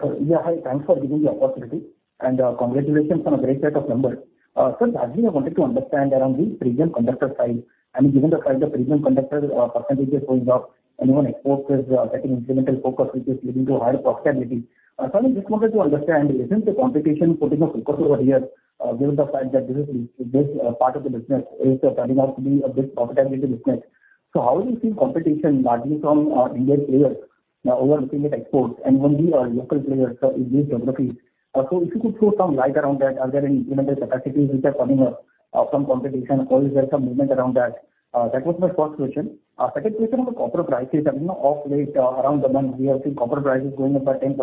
Hi. Thanks for giving the opportunity and congratulations on a great set of numbers. Sir, largely I wanted to understand around the premium conductor side. I mean, given the fact the premium conductor percentage is going up and even exports is getting incremental focus which is leading to higher profitability. I just wanted to understand, isn't the competition putting up focus over here, given the fact that this is this part of the business is turning out to be a bit profitability business. How do you see competition largely from Indian players, over looking at exports and only local players in these geographies? If you could throw some light around that. Are there any, you know, the capacities which are coming up from competition? Of course, there's some movement around that. That was my first question. Second question on the copper prices. I mean, of late, around the month, we are seeing copper prices going up by 10%.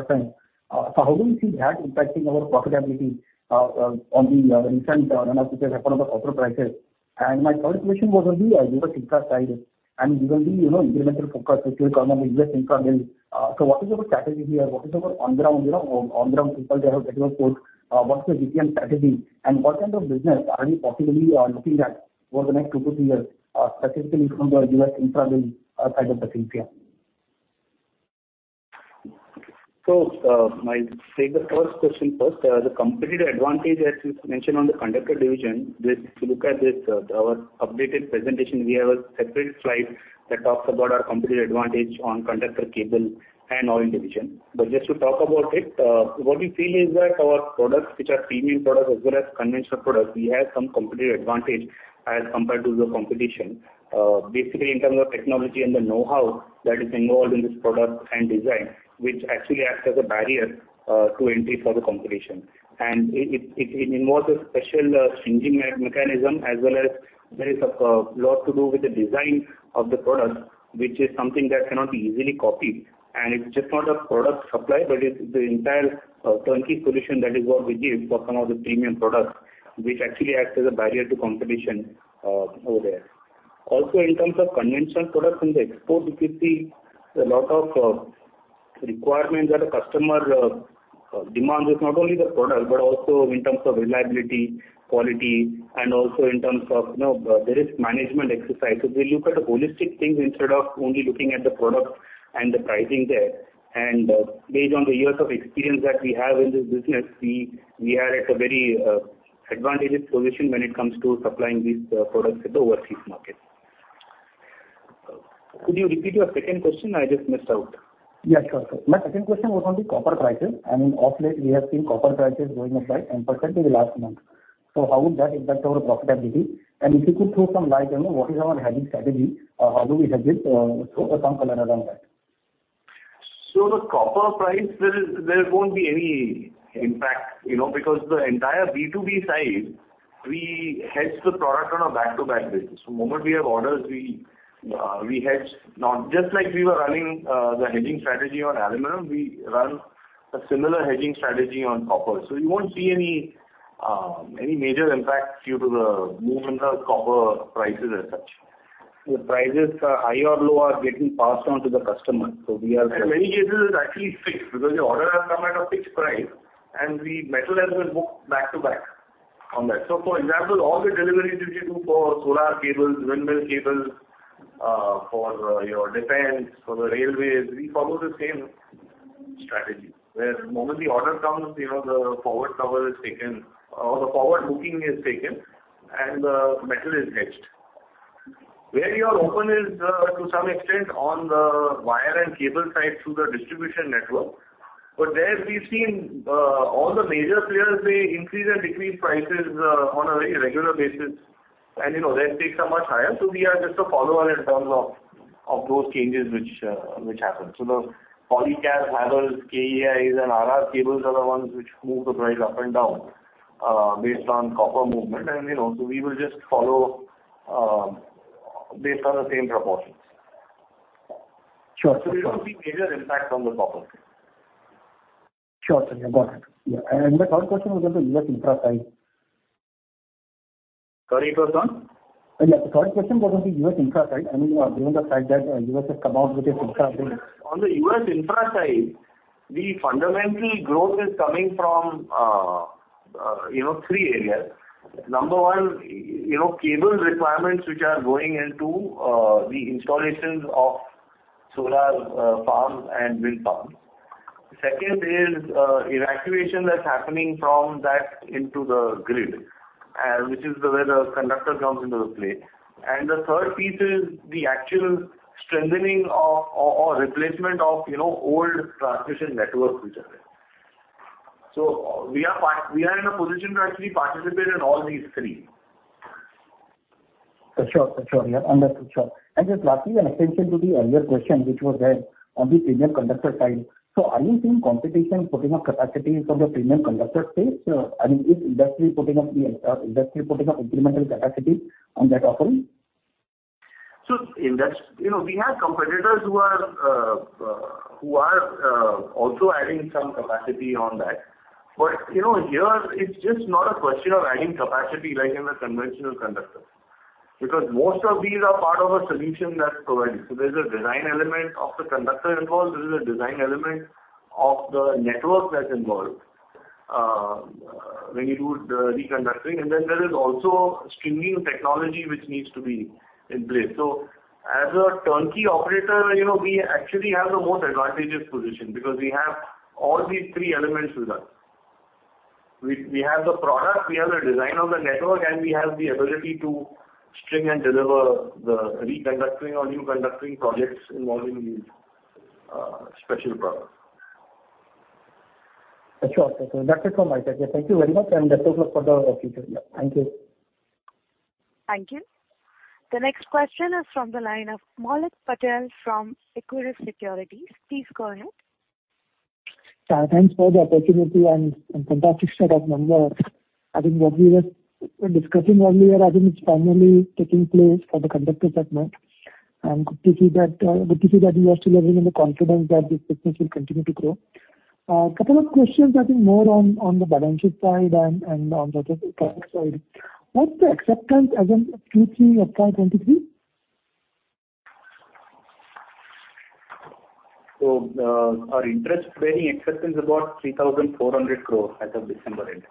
How do you see that impacting our profitability on the recent run up which has happened on the copper prices? My third question was on the U.S. infra side and given the, you know, incremental focus which will come on U.S. infra bills, what is your strategy here? What is your on ground, you know, on ground people there who get your quotes? What's your GPM strategy and what kind of business are you possibly looking at over the next two to three years specifically from the U.S. infra bill side of the things here? I'll take the first question first. The competitive advantage that you mentioned on the conductor division, if you look at this, our updated presentation, we have a separate slide that talks about our competitive advantage on conductor cable and oil division. Just to talk about it, what we feel is that our products, which are premium products as well as conventional products, we have some competitive advantage as compared to the competition, basically in terms of technology and the know-how that is involved in this product and design, which actually acts as a barrier to entry for the competition. It involves a special stringing mechanism as well as there is a lot to do with the design of the product, which is something that cannot be easily copied. It's just not a product supply, but it's the entire turnkey solution that is what we give for some of the premium products, which actually acts as a barrier to competition over there. In terms of conventional products in the export, you could see a lot of requirements that a customer demands is not only the product, but also in terms of reliability, quality, and also in terms of, you know, there is management exercises. We look at the holistic things instead of only looking at the product and the pricing there. Based on the years of experience that we have in this business, we are at a very advantageous position when it comes to supplying these products to the overseas market. Could you repeat your second question? I just missed out. Yes, sure, sir. My second question was on the copper prices. I mean, of late we have seen copper prices going up by 10% in the last month. How would that impact our profitability? If you could throw some light on what is our hedging strategy or how do we hedge it? Throw some color around that. The copper price there won't be any impact, you know, because the entire B2B side, we hedge the product on a back-to-back basis. The moment we have orders, we hedge. Now, just like we were running the hedging strategy on aluminum, we run a similar hedging strategy on copper. You won't see any major impact due to the movement of copper prices as such. The prices are high or low are getting passed on to the customer. In many cases it's actually fixed because the order has come at a fixed price, and the metal has been booked back to back on that. For example, all the deliveries which we do for solar cables, windmill cables, for your defense, for the railways, we follow the same strategy. Where the moment the order comes, you know, the forward cover is taken or the forward booking is taken and the metal is hedged. Where we are open is to some extent on the wire and cable side through the distribution network. There we've seen all the major players, they increase and decrease prices on a very regular basis. You know, their stakes are much higher. We are just a follower in terms of those changes which happen. The Polycab, Havells, KEIs and RR Kabel are the ones which move the price up and down, based on copper movement. You know, so we will just follow, based on the same proportions. Sure. There will be major impact on the copper. Sure, sir. Got it. Yeah. The third question was on the U.S. infra side. Sorry, it was on? Yeah. The third question was on the U.S. infra side. I mean, given the fact that U.S. has come out with its infra bill. On the U.S. infra side, the fundamental growth is coming from, you know, three areas. Number one, you know, cable requirements which are going into the installations of solar farms and wind farms. Second is evacuation that's happening from that into the grid, which is the way the conductor comes into the play. The third piece is the actual strengthening of, or replacement of, you know, old transmission networks which are there. We are in a position to actually participate in all these three. Sure. Yeah. Understood. Sure. Just lastly, an extension to the earlier question which was there on the premium conductor side. Are you seeing competition putting up capacity from the premium conductor space? I mean, is industry putting up incremental capacity on that account? In that, you know, we have competitors who are also adding some capacity on that. You know, here it's just not a question of adding capacity like in a conventional conductor. Most of these are part of a solution that's provided. There's a design element of the conductor involved. There is a design element of the network that's involved when you do the reconducting. Then there is also stringing technology which needs to be in place. As a turnkey operator, you know, we actually have the most advantageous position because we have all these three elements with us. We have the product, we have the design of the network, and we have the ability to string and deliver the reconducting or new conducting projects involving these special products. Sure. That is all from my side. Thank you very much, and best of luck for the future. Thank you. Thank you. The next question is from the line of Maulik Patel from Equirus Securities. Please go ahead. Thanks for the opportunity and fantastic set of numbers. I think what we were discussing earlier, I think it's finally taking place for the conductor segment. Good to see that you are still having the confidence that this business will continue to grow. Couple of questions I think more on the balances side and on the products side. What's the acceptance as on Q3 of 2023? Our interest bearing acceptance is about 3,400 crore as of December end.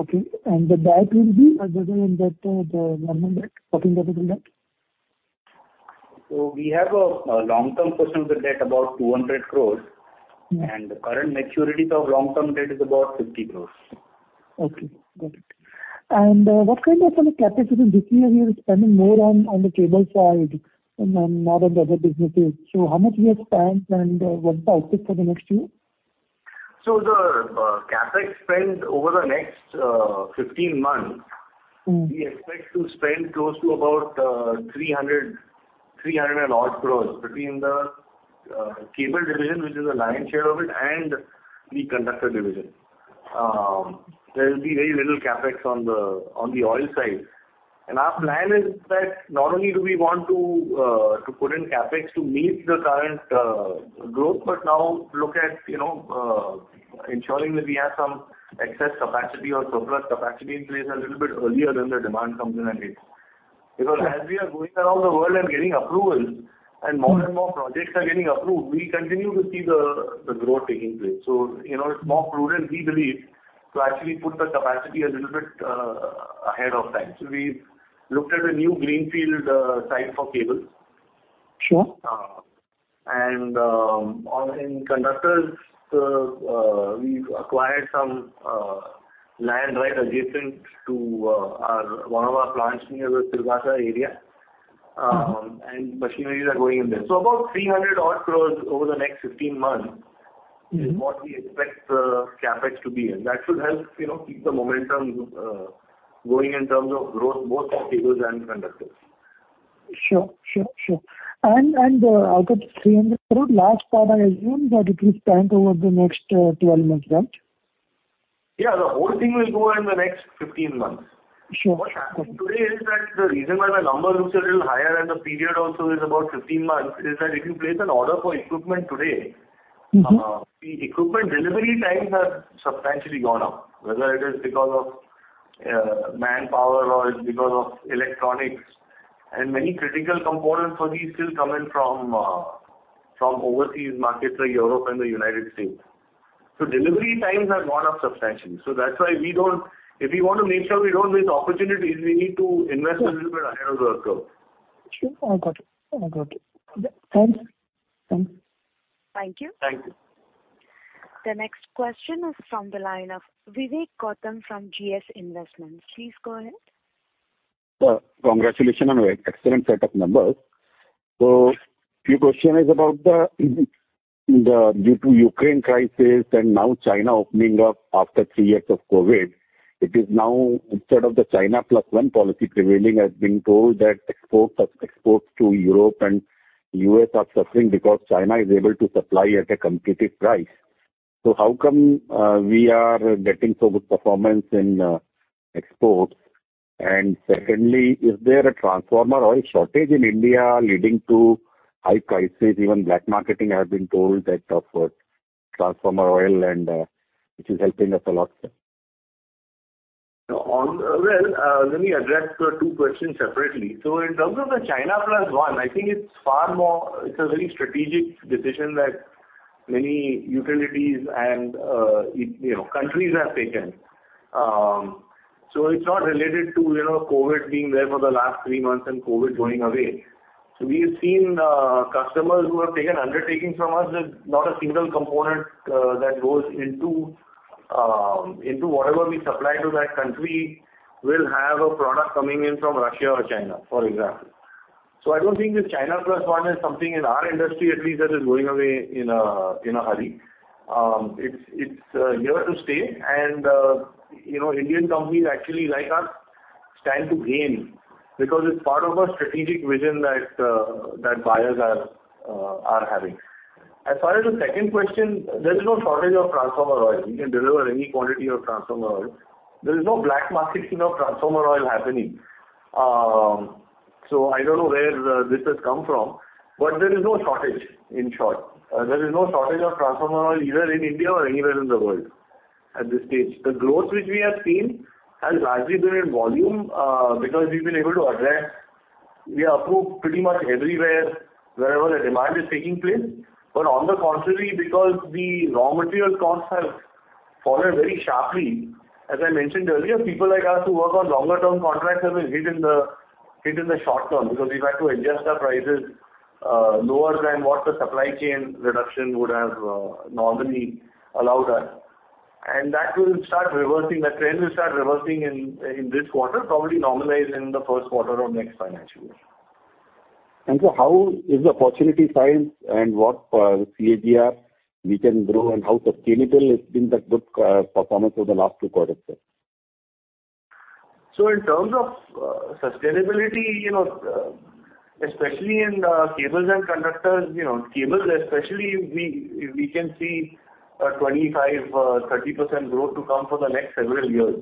Okay. The diet will be a government debt or the government debt, talking government debt? We have a long-term portion of the debt, about 200 crores. Mm-hmm. The current maturities of long-term debt is about 50 crores. Okay. Got it. What kind of CapEx this year you're spending more on the cable side and not on the other businesses. How much you have spent, and what's the outlook for the next year? The CapEx spend over the next, 15 months. Mm-hmm. we expect to spend close to about 300 odd crores between the cable division, which is the lion's share of it, and the conductor division. There'll be very little CapEx on the oil side. Our plan is that not only do we want to put in CapEx to meet the current growth, but now look at, you know, ensuring that we have some excess capacity or surplus capacity in place a little bit earlier than the demand comes in and hits. Right. As we are going around the world and getting approvals, and more and more projects are getting approved, we continue to see the growth taking place. You know, it's more prudent, we believe, to actually put the capacity a little bit ahead of time. We've looked at a new greenfield site for cables. Sure. On, in conductors, we've acquired some land right adjacent to our, one of our plants near the Silvassa area. Mm-hmm. Machineries are going in there. About 300 odd crores over the next 15 months. Mm-hmm. is what we expect the CapEx to be in. That should help, you know, keep the momentum going in terms of growth, both for cables and conductors. Sure. Sure. Sure. Out of the 300 crores, last part I assume that it is spent over the next 12 months, right? Yeah. The whole thing will go in the next 15 months. Sure. Okay. What's happened today is that the reason why the number looks a little higher, and the period also is about 15 months, is that if you place an order for equipment today. Mm-hmm. The equipment delivery times have substantially gone up, whether it is because of manpower or it's because of electronics. Many critical components for these still come in from overseas markets like Europe and the United States. Delivery times have gone up substantially. That's why if we want to make sure we don't miss opportunities, we need to invest a little bit ahead of the curve. Sure. I got it. I got it. Okay. Thanks. Thanks. Thank you. Thank you. The next question is from the line of Vivek Gautam from GS Investments. Please go ahead. Sir, congratulations on a excellent set of numbers. Few question is about the due to Ukraine crisis and now China opening up after three years of COVID, it is now, instead of the China Plus One policy prevailing, I've been told that exports to Europe and U.S. are suffering because China is able to supply at a competitive price. How come we are getting so good performance in exports? Secondly, is there a transformer oil shortage in India leading to high prices? Even black marketing, I've been told that of transformer oil and which is helping us a lot, sir. Well, let me address the two questions separately. In terms of the China Plus One, I think it's far more, it's a very strategic decision that many utilities and, you know, countries have taken. It's not related to, you know, COVID being there for the last three months and COVID going away. We have seen customers who have taken undertakings from us that not a single component that goes into whatever we supply to that country will have a product coming in from Russia or China, for example. I don't think this China Plus One is something in our industry at least that is going away in a hurry. It's here to stay. You know, Indian companies actually like us stand to gain because it's part of a strategic vision that buyers are having. As far as the second question, there is no shortage of transformer oil. We can deliver any quantity of transformer oil. There is no black marketing of transformer oil happening. I don't know where this has come from, but there is no shortage, in short. There is no shortage of transformer oil either in India or anywhere in the world at this stage. The growth which we have seen has largely been in volume because we've been able to address. We are approved pretty much everywhere, wherever the demand is taking place. On the contrary, because the raw material costs have fallen very sharply, as I mentioned earlier, people like us who work on longer term contracts have been hit in the short term because we've had to adjust our prices, lower than what the supply chain reduction would have normally allowed us. That will start reversing. The trend will start reversing in this quarter, probably normalize in the first quarter of next financial year. How is the opportunity size and what CAGR we can grow and how sustainable has been that good performance over the last two quarters, sir? In terms of sustainability, you know, especially in cables and conductors, you know, cables especially, we can see a 25%-30% growth to come for the next several years.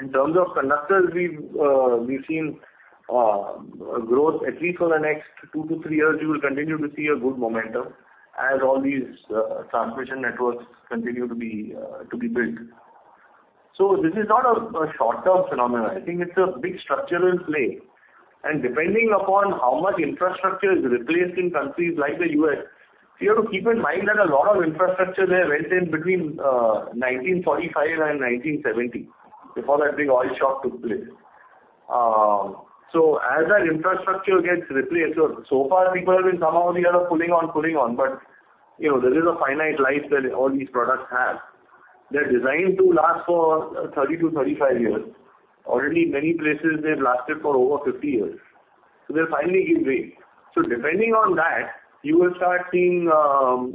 In terms of conductors, we've seen growth at least for the next two-three years, we will continue to see a good momentum as all these transmission networks continue to be built. This is not a short-term phenomenon. I think it's a big structural play. Depending upon how much infrastructure is replaced in countries like the U.S. You have to keep in mind that a lot of infrastructure there went in between 1945 and 1970, before that big oil shock took place. As that infrastructure gets replaced. So far people have been somehow or the other pulling on. You know, there is a finite life that all these products have. They're designed to last for 30-35 years. Already many places they've lasted for over 50 years. They'll finally give way. Depending on that, you will start seeing,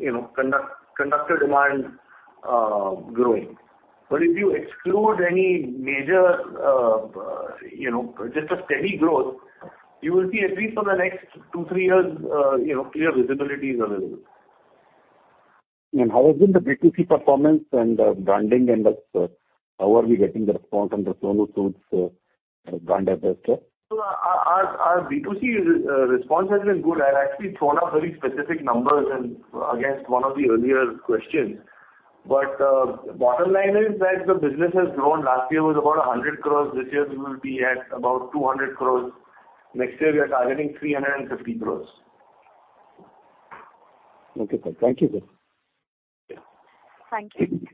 you know, conductor demand growing. If you exclude any major, you know, just a steady growth, you will see at least for the next two, three years, you know, clear visibility is available. How has been the B2C performance and branding and that, how are we getting the response on the Sonu Sood brand ambassador? Our B2C response has been good. I've actually thrown up very specific numbers and against one of the earlier questions. Bottom line is that the business has grown. Last year it was about 100 crores. This year we will be at about 200 crores. Next year we are targeting 350 crores. Okay, sir. Thank you, sir. Thank you.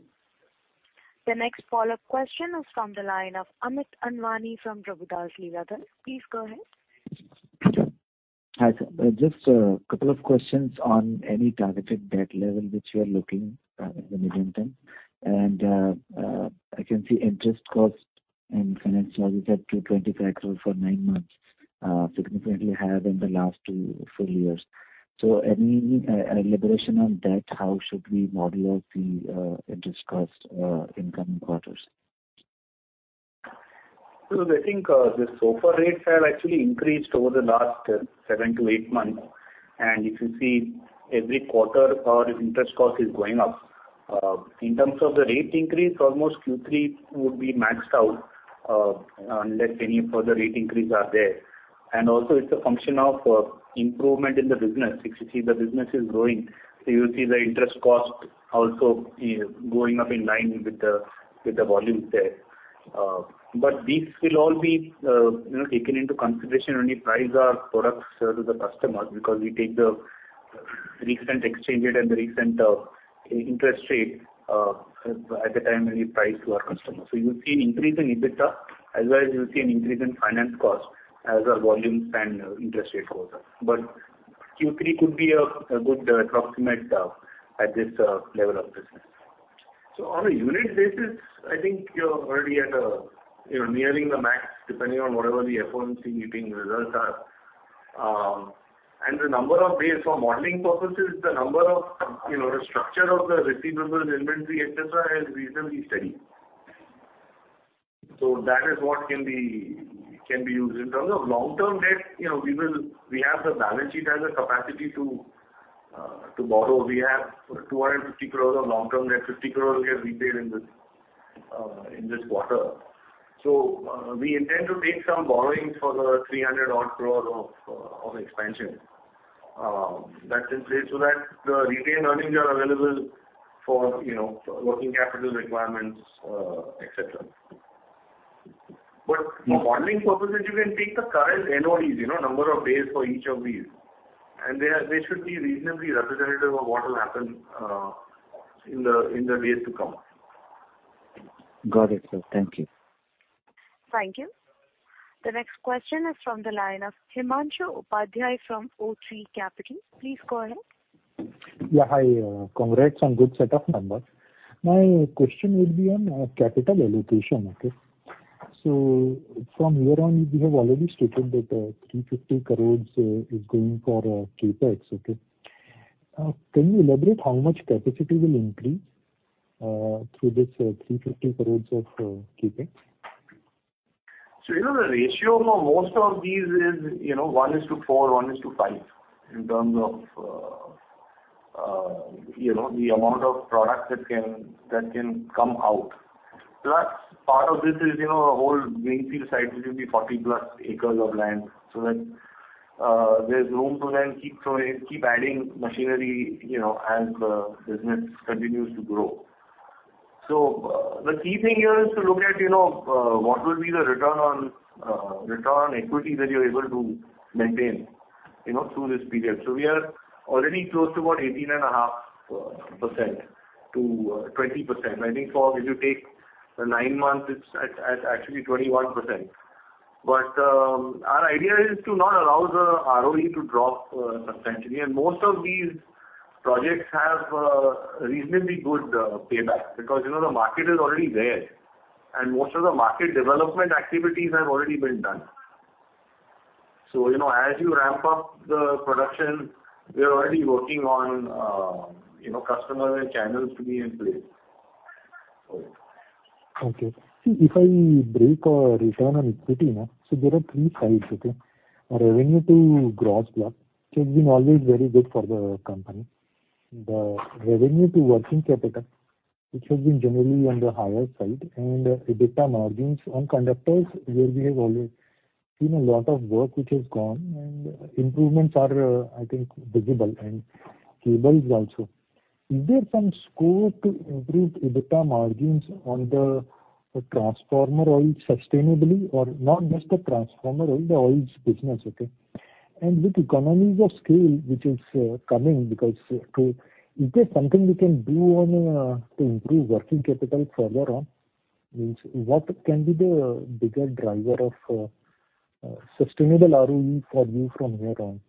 The next follow-up question is from the line of Amit Anwani from Prabhudas Lilladher. Please go ahead. Hi, sir. Just a couple of questions on any targeted debt level which you are looking at in the medium term. I can see interest cost and finance charges at 2.5 crores for nine months, significantly higher than the last two full years. Any liberation on debt, how should we model out the interest cost in coming quarters? I think the SOFR rates have actually increased over the last seven-eight months. If you see every quarter our interest cost is going up. In terms of the rate increase, almost Q3 would be maxed out unless any further rate increase are there. Also it's a function of improvement in the business. If you see the business is growing, you'll see the interest cost also going up in line with the volumes there. But these will all be, you know, taken into consideration when we price our products to the customers, because we take the recent exchange rate and the recent interest rate at the time when we price to our customers. You'll see an increase in EBITDA, as well as you'll see an increase in finance cost as our volumes and interest rate go up. Q3 could be a good approximate at this level of business. On a unit basis, I think you're already at a, you know, nearing the max, depending on whatever the FOMC meeting results are. The number of days for modeling purposes, the number of, you know, the structure of the receivables inventory, et cetera, is reasonably steady. That is what can be used. In terms of long-term debt, you know, we have the balance sheet has the capacity to borrow. We have 250 crores of long-term debt, 50 crores we have repaid in this quarter. We intend to take some borrowings for the 300 odd crores of expansion that's in place so that the retained earnings are available for, you know, working capital requirements, et cetera. For modeling purposes, you can take the current NOD, you know, number of days for each of these, and they are, they should be reasonably representative of what will happen in the days to come. Got it, sir. Thank you. Thank you. The next question is from the line of Himanshu Upadhyay from O3 Capital. Please go ahead. Yeah, hi. Congrats on good set of numbers. My question would be on capital allocation. Okay. From here on, you have already stated that 350 crores is going for CapEx, okay? Can you elaborate how much capacity will increase through this 350 crores of CapEx? You know, the ratio for most of these is, you know, one is to four, one is to five in terms of, you know, the amount of product that can come out. Part of this is, you know, a whole greenfield site, which will be 40 plus acres of land. There's room to then keep throwing, keep adding machinery, you know, as the business continues to grow. The key thing here is to look at, you know, what will be the return on return on equity that you're able to maintain, you know, through this period. We are already close to about 18.5%-20%. I think for if you take the nine months, it's at actually 21%. Our idea is to not allow the ROE to drop substantially. Most of these projects have reasonably good payback because, you know, the market is already there, and most of the market development activities have already been done. You know, as you ramp up the production, we are already working on, you know, customer and channels to be in place. Okay. See if I break return on equity now. There are three sides, okay? Revenue to gross profit, which has been always very good for the company. The revenue to working capital, which has been generally on the higher side, and EBITDA margins on conductors, where we have always seen a lot of work which has gone and improvements are, I think visible and cables also. Is there some scope to improve EBITDA margins on the transformer oil sustainably or not just the transformer oil, the oils business, okay? With economies of scale, which is coming, is there something you can do on to improve working capital further on? Means, what can be the bigger driver of sustainable ROE for you from here on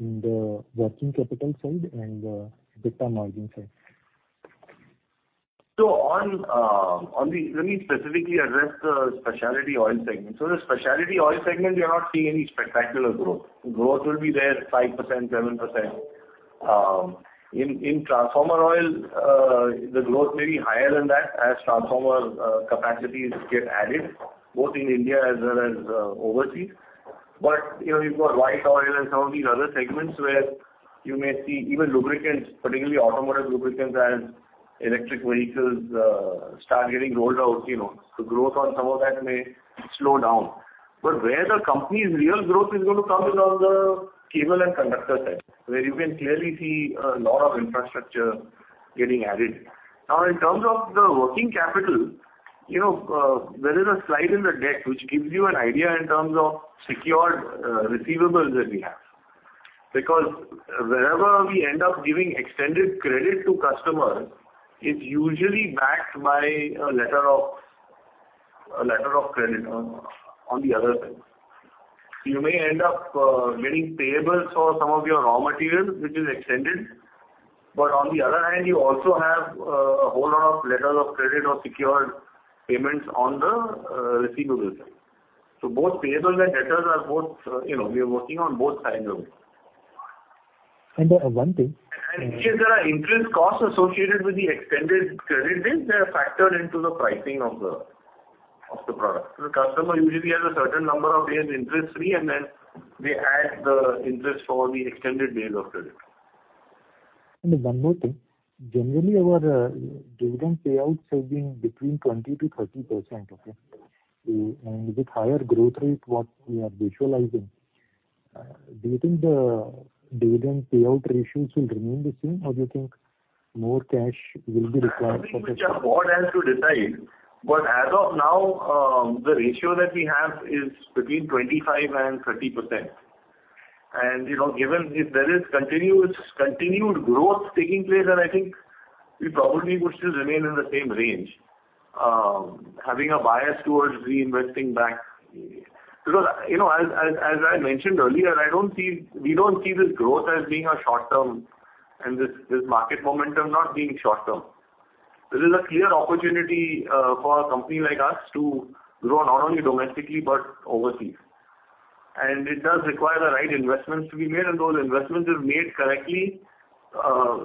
in the working capital side and the EBITDA margin side? Let me specifically address the specialty oil segment. The specialty oil segment, we are not seeing any spectacular growth. Growth will be there 5%, 7%. In transformer oil, the growth may be higher than that as transformer capacities get added both in India as well as overseas. You know, you've got white oil and some of these other segments where you may see even lubricants, particularly automotive lubricants as electric vehicles start getting rolled out, you know. Growth on some of that may slow down. Where the company's real growth is gonna come is on the cable and conductor side, where you can clearly see a lot of infrastructure getting added. In terms of the working capital, you know, there is a slide in the deck which gives you an idea in terms of secured receivables that we have. Wherever we end up giving extended credit to customers, it's usually backed by a letter of credit on the other side. You may end up getting payables for some of your raw materials, which is extended. On the other hand, you also have a whole lot of letters of credit or secured payments on the receivables side. Both payables and debtors are both, you know, we are working on both sides of it. one thing- In case there are interest costs associated with the extended credit days, they are factored into the pricing of the product. The customer usually has a certain number of days interest-free, and then they add the interest for the extended days of credit. One more thing. Generally, our dividend payouts have been between 20% to 30%, okay? With higher growth rate what we are visualizing, do you think the dividend payout ratios will remain the same, or do you think more cash will be required? I think which our board has to decide. As of now, the ratio that we have is between 25% and 30%. You know, given if there is continued growth taking place, then I think we probably would still remain in the same range, having a bias towards reinvesting back. You know, as I mentioned earlier, we don't see this growth as being a short term, and this market momentum not being short term. This is a clear opportunity for a company like us to grow not only domestically but overseas. It does require the right investments to be made, and those investments, if made correctly,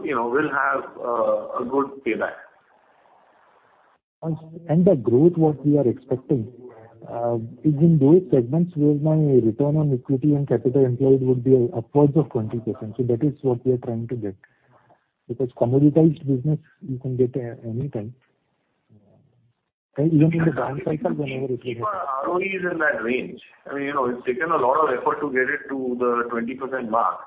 you know, will have a good payback. The growth what we are expecting, is in those segments where my return on equity and capital employed would be upwards of 20%. That is what we are trying to get. Commoditized business you can get anytime. Even in the down cycle, whenever it will. ROE is in that range. I mean, you know, it's taken a lot of effort to get it to the 20% mark.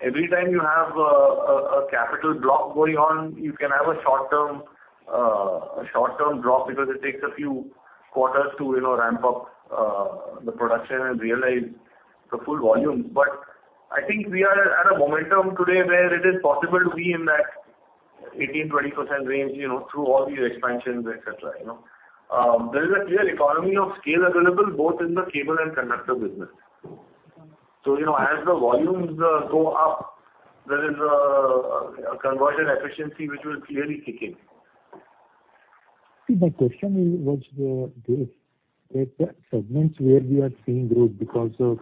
Every time you have a capital block going on, you can have a short term drop because it takes a few quarters to, you know, ramp up the production and realize the full volume. I think we are at a momentum today where it is possible to be in that 18%-20% range, you know, through all the expansions, et cetera, you know. There is a clear economy of scale available both in the cable and conductor business. You know, as the volumes go up, there is a conversion efficiency which will clearly kick in. My question is, was this. If the segments where we are seeing growth because of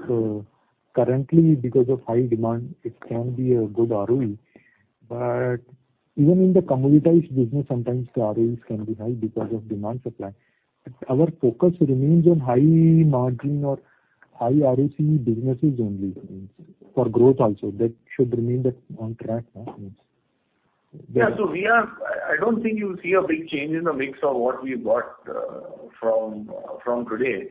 currently because of high demand, it can be a good ROE. Even in the commoditized business, sometimes the ROEs can be high because of demand supply. Our focus remains on high margin or high ROC businesses only, for growth also. That should remain that on track. I don't think you'll see a big change in the mix of what we've got from today.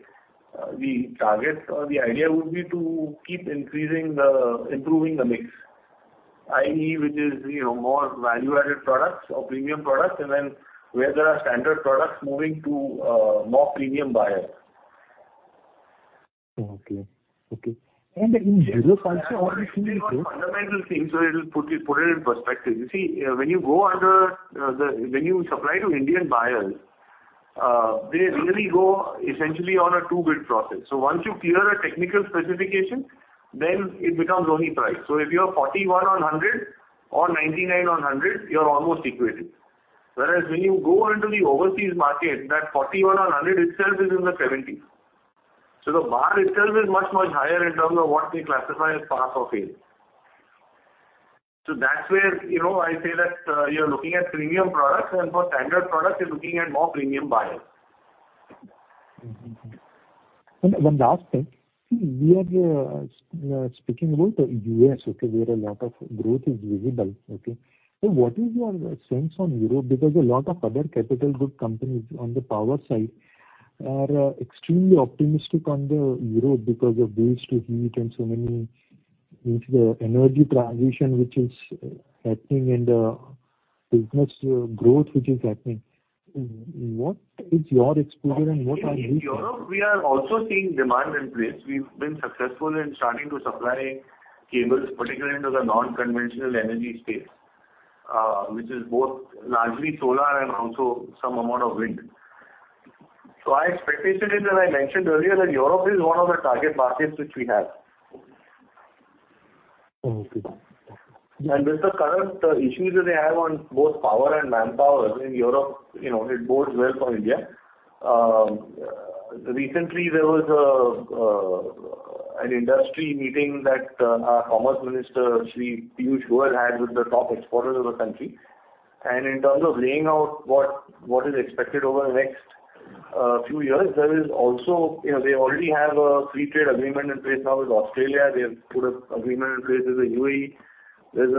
The targets or the idea would be to keep improving the mix, i.e., which is, you know, more value-added products or premium products, and then where there are standard products moving to more premium buyers. Okay. Okay. In general. There are still some fundamental things. It'll put it in perspective. You see, when you go under, when you supply to Indian buyers, they really go essentially on a two-bid process. Once you clear a technical specification, then it becomes only price. If you are 41 on 100 or 99 on 100, you're almost equated. Whereas when you go into the overseas market, that 41 on 100 itself is in the 70s. The bar itself is much, much higher in terms of what we classify as pass or fail. That's where, you know, I say that, you're looking at premium products, and for standard products, you're looking at more premium buyers. Mm-hmm. One last thing. See, we are speaking about U.S., okay, where a lot of growth is visible. Okay? What is your sense on Europe? Because a lot of other capital good companies on the power side. Are extremely optimistic on Europe because of bills to heat and so many into the energy transition which is happening and the business growth which is happening. What is your exposure and what are you seeing? In Europe, we are also seeing demand in place. We've been successful in starting to supply cables, particularly into the non-conventional energy space, which is both largely solar and also some amount of wind. Our expectation is that I mentioned earlier that Europe is one of the target markets which we have. Okay. With the current issues that they have on both power and manpower in Europe, you know, it bodes well for India. Recently there was an industry meeting that our Commerce Minister, Shri Piyush Goyal, had with the top exporters of the country. In terms of laying out what is expected over the next few years, there is also, you know, they already have a free trade agreement in place now with Australia. They have put an agreement in place with the UAE. There's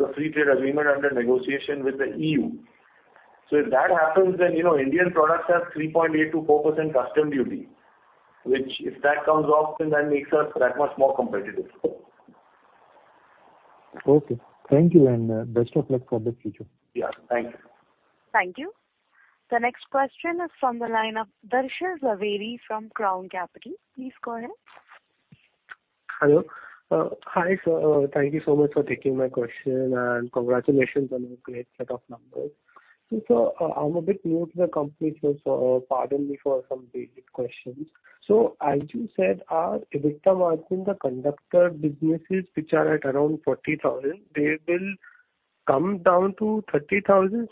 a free trade agreement under negotiation with the EU. If that happens, then you know Indian products have 3.8%-4% custom duty, which if that comes off, then that makes us that much more competitive. Okay. Thank you, and best of luck for the future. Yeah. Thank you. Thank you. The next question is from the line of Darshil Jhaveri from Crown Capital. Please go ahead. Hello. Hi, sir. Thank you so much for taking my question, and congratulations on your great set of numbers. I'm a bit new to the company, so pardon me for some basic questions. As you said, our EBITDA margin, the conductor businesses which are at around 40,000, they will come down to 30,000.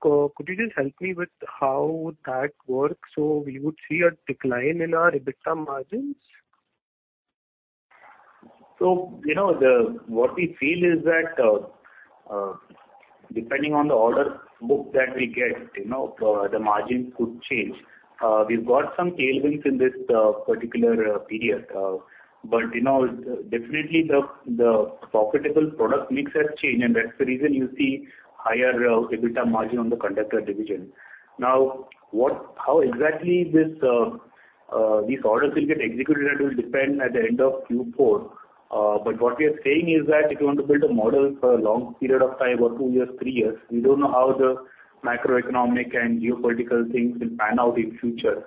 Could you just help me with how that works, so we would see a decline in our EBITDA margins? You know, what we feel is that, depending on the order book that we get, you know, the margin could change. We've got some tailwinds in this particular period. You know, definitely the profitable product mix has changed, and that's the reason you see higher EBITDA margin on the conductor division. How exactly this these orders will get executed, that will depend at the end of Q4. What we are saying is that if you want to build a model for a long period of time, or two years, three years, we don't know how the macroeconomic and geopolitical things will pan out in future.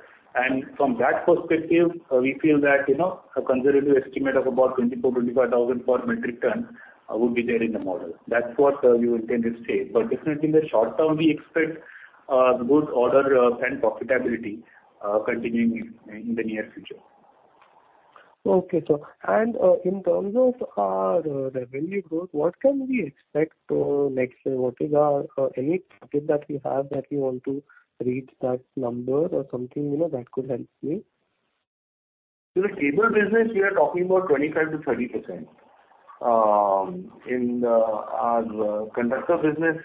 From that perspective, we feel that, you know, a conservative estimate of about 24,000-25,000 per metric ton would be there in the model. That's what we would tend to say. Definitely in the short term, we expect good order and profitability continuing in the near future. Okay, sir. In terms of our revenue growth, what can we expect next year? What is any target that we have that we want to reach that number or something, you know, that could help me? In the cable business we are talking about 25%-30%. In our conductor business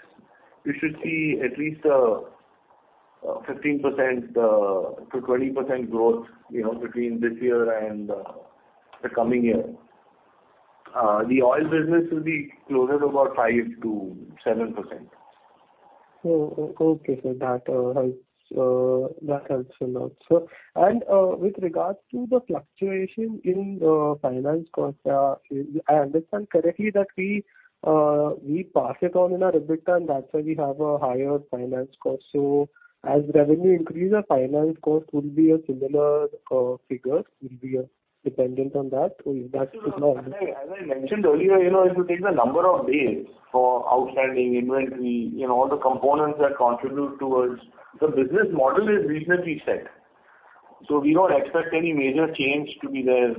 we should see at least 15%-20% growth, you know, between this year and the coming year. The oil business will be closer to about 5%-7%. Okay, sir. That helps. That helps a lot, sir. With regards to the fluctuation in the finance costs, if I understand correctly that we pass it on in our EBITDA, and that's why we have a higher finance cost. As revenue increase, our finance cost will be a similar figure, will be dependent on that? As I mentioned earlier, you know, if you take the number of days for outstanding inventory, you know, all the components that contribute towards the business model is reasonably set. We don't expect any major change to be there,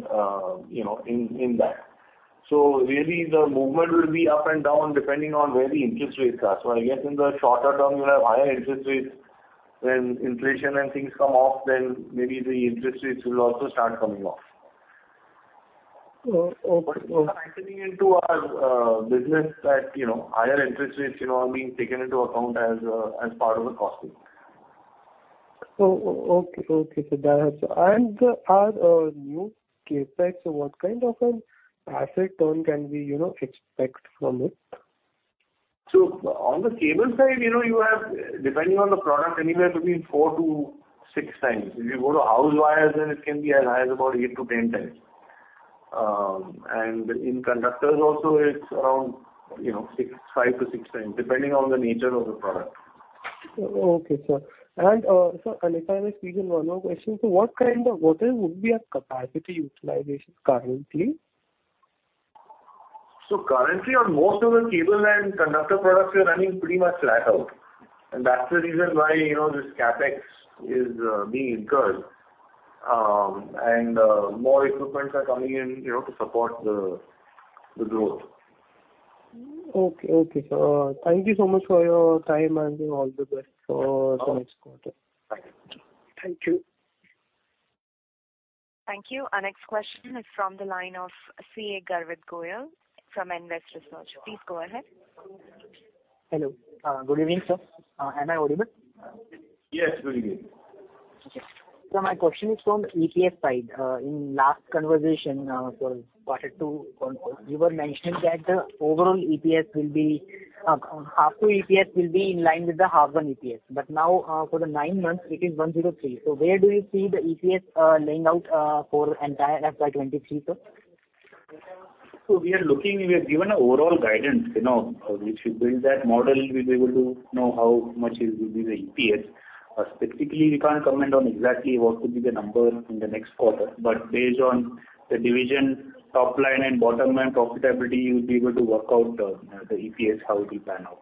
you know, in that. Really the movement will be up and down depending on where the interest rates are. I guess in the shorter term you'll have higher interest rates. When inflation and things come off, then maybe the interest rates will also start coming off. Oh. Okay, sir. We are pricing into our business at, you know, higher interest rates, you know, are being taken into account as part of the costing. Oh. Okay. Okay, sir. That helps. Our new CapEx, what kind of an asset turn can we, you know, expect from it? On the cable side, you know, you have, depending on the product, anywhere between 4-6x. If you go to house wires, it can be as high as about 8-10x. In conductors also it's around, you know, 5-6x, depending on the nature of the product. Okay, sir. Sir, if I may squeeze in one more question. What is would be our capacity utilization currently? Currently on most of the cable and conductor products we are running pretty much flat out, and that's the reason why, you know, this CapEx is being incurred. More equipments are coming in, you know, to support the growth. Okay. Okay, sir. Thank you so much for your time. All the best for the next quarter. Thank you. Thank you. Our next question is from the line of CA Garvit Goyal from Invest Research. Please go ahead. Hello. Good evening, sir. Am I audible? Yes. Good evening. My question is from EPS side. In last conversation, for quarter two you were mentioning that the overall EPS will be half two EPS will be in line with the half one EPS, but now, for the nine months it is 103. Where do you see the EPS laying out for entire FY 2023, sir? We have given an overall guidance, you know, which you build that model, we'll be able to know how much is will be the EPS. Specifically, we can't comment on exactly what could be the number in the next quarter, but based on the division top line and bottom line profitability, you'll be able to work out the EPS, how it will pan out.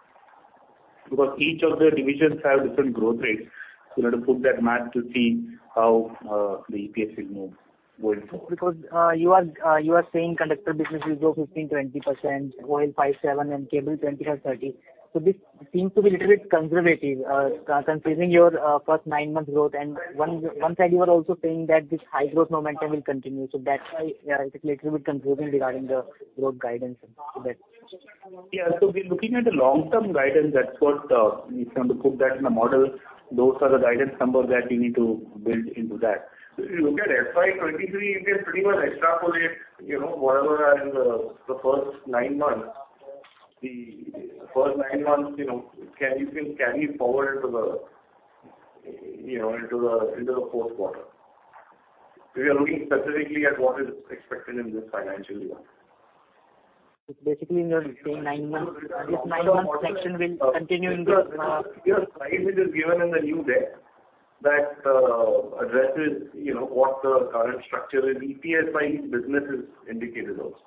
Each of the divisions have different growth rates, so you have to put that math to see how the EPS will move going forward. You are saying conductor business will grow 15%-20%, oil 5%-7%, and cable 25%-30%. This seems to be a little bit conservative, considering your first nine months growth. One side you are also saying that this high growth momentum will continue. That's why, yeah, I think little bit confusing regarding the growth guidance to that. Yeah. We're looking at the long-term guidance. That's what, if you want to put that in a model, those are the guidance numbers that you need to build into that. If you look at FY 2023, you can pretty much extrapolate, you know, whatever are in the first nine months. The first nine months, you know, can even carry forward into the, you know, into the, into the 4th quarter. We are looking specifically at what is expected in this financial year. It's basically in your, say, nine months. This nine months projection will continue in the. Your slide which is given in the new deck that addresses, you know, what the current structure is, EPS by businesses indicated also.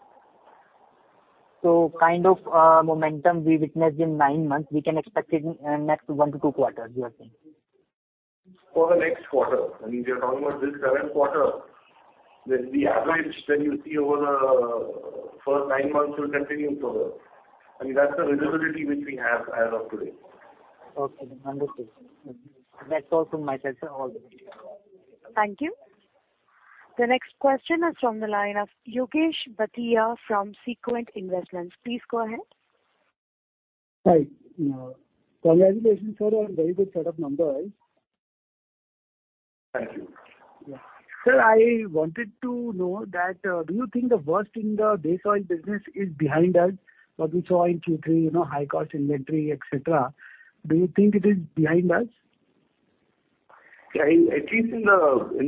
Kind of momentum we witnessed in nine months, we can expect it in next one-two quarters, you are saying? For the next quarter. I mean, we are talking about this current quarter, that the average that you see over the first nine months will continue further. I mean, that's the visibility which we have as of today. Okay. Understood. That's all from my side, sir. Over to you. Thank you. The next question is from the line of Yogesh Bhatia from Sequent Investments. Please go ahead. Hi. Congratulations, sir, on very good set of numbers. Thank you. Sir, I wanted to know that, do you think the worst in the base oil business is behind us? What we saw in Q3, you know, high cost inventory, et cetera. Do you think it is behind us? At least in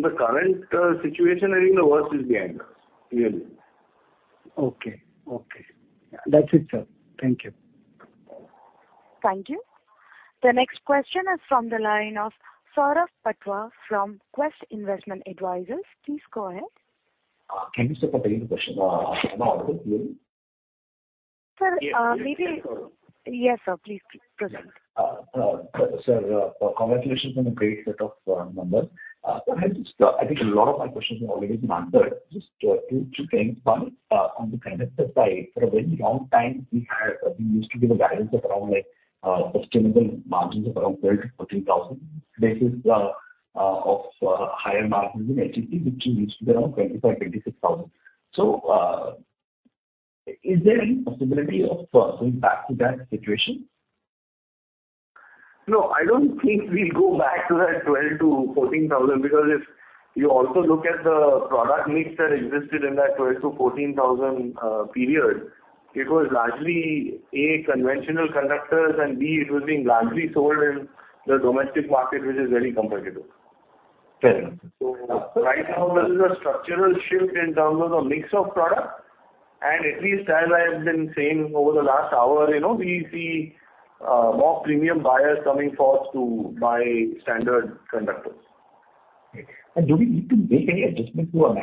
the current situation, I think the worst is behind us. Clearly. Okay. Okay. That's it, sir. Thank you. Thank you. The next question is from the line of Saurabh Patwa from Quest Investment Advisors. Please go ahead. Can you repeat the question? Am I audible to you? Sir. Yes. Yes, sir. Please proceed. Sir, congratulations on a great set of numbers. I think a lot of my questions have already been answered. Just two quick ones. On the conductor side, for a very long time, we used to give a guidance of around sustainable margins of around 12,000-14,000. This is of higher margins in HCP, which used to be around 25,000-26,000. Is there any possibility of going back to that situation? No, I don't think we'll go back to that 12,000-14,000, because if you also look at the product mix that existed in that 12,000-14,000 period, it was largely, A, conventional conductors, and B, it was being largely sold in the domestic market, which is very competitive. Fair enough. Right now, this is a structural shift in terms of the mix of product. At least as I have been saying over the last hour, you know, we see more premium buyers coming forth to buy standard conductors. Okay. Do we need to make any adjustment to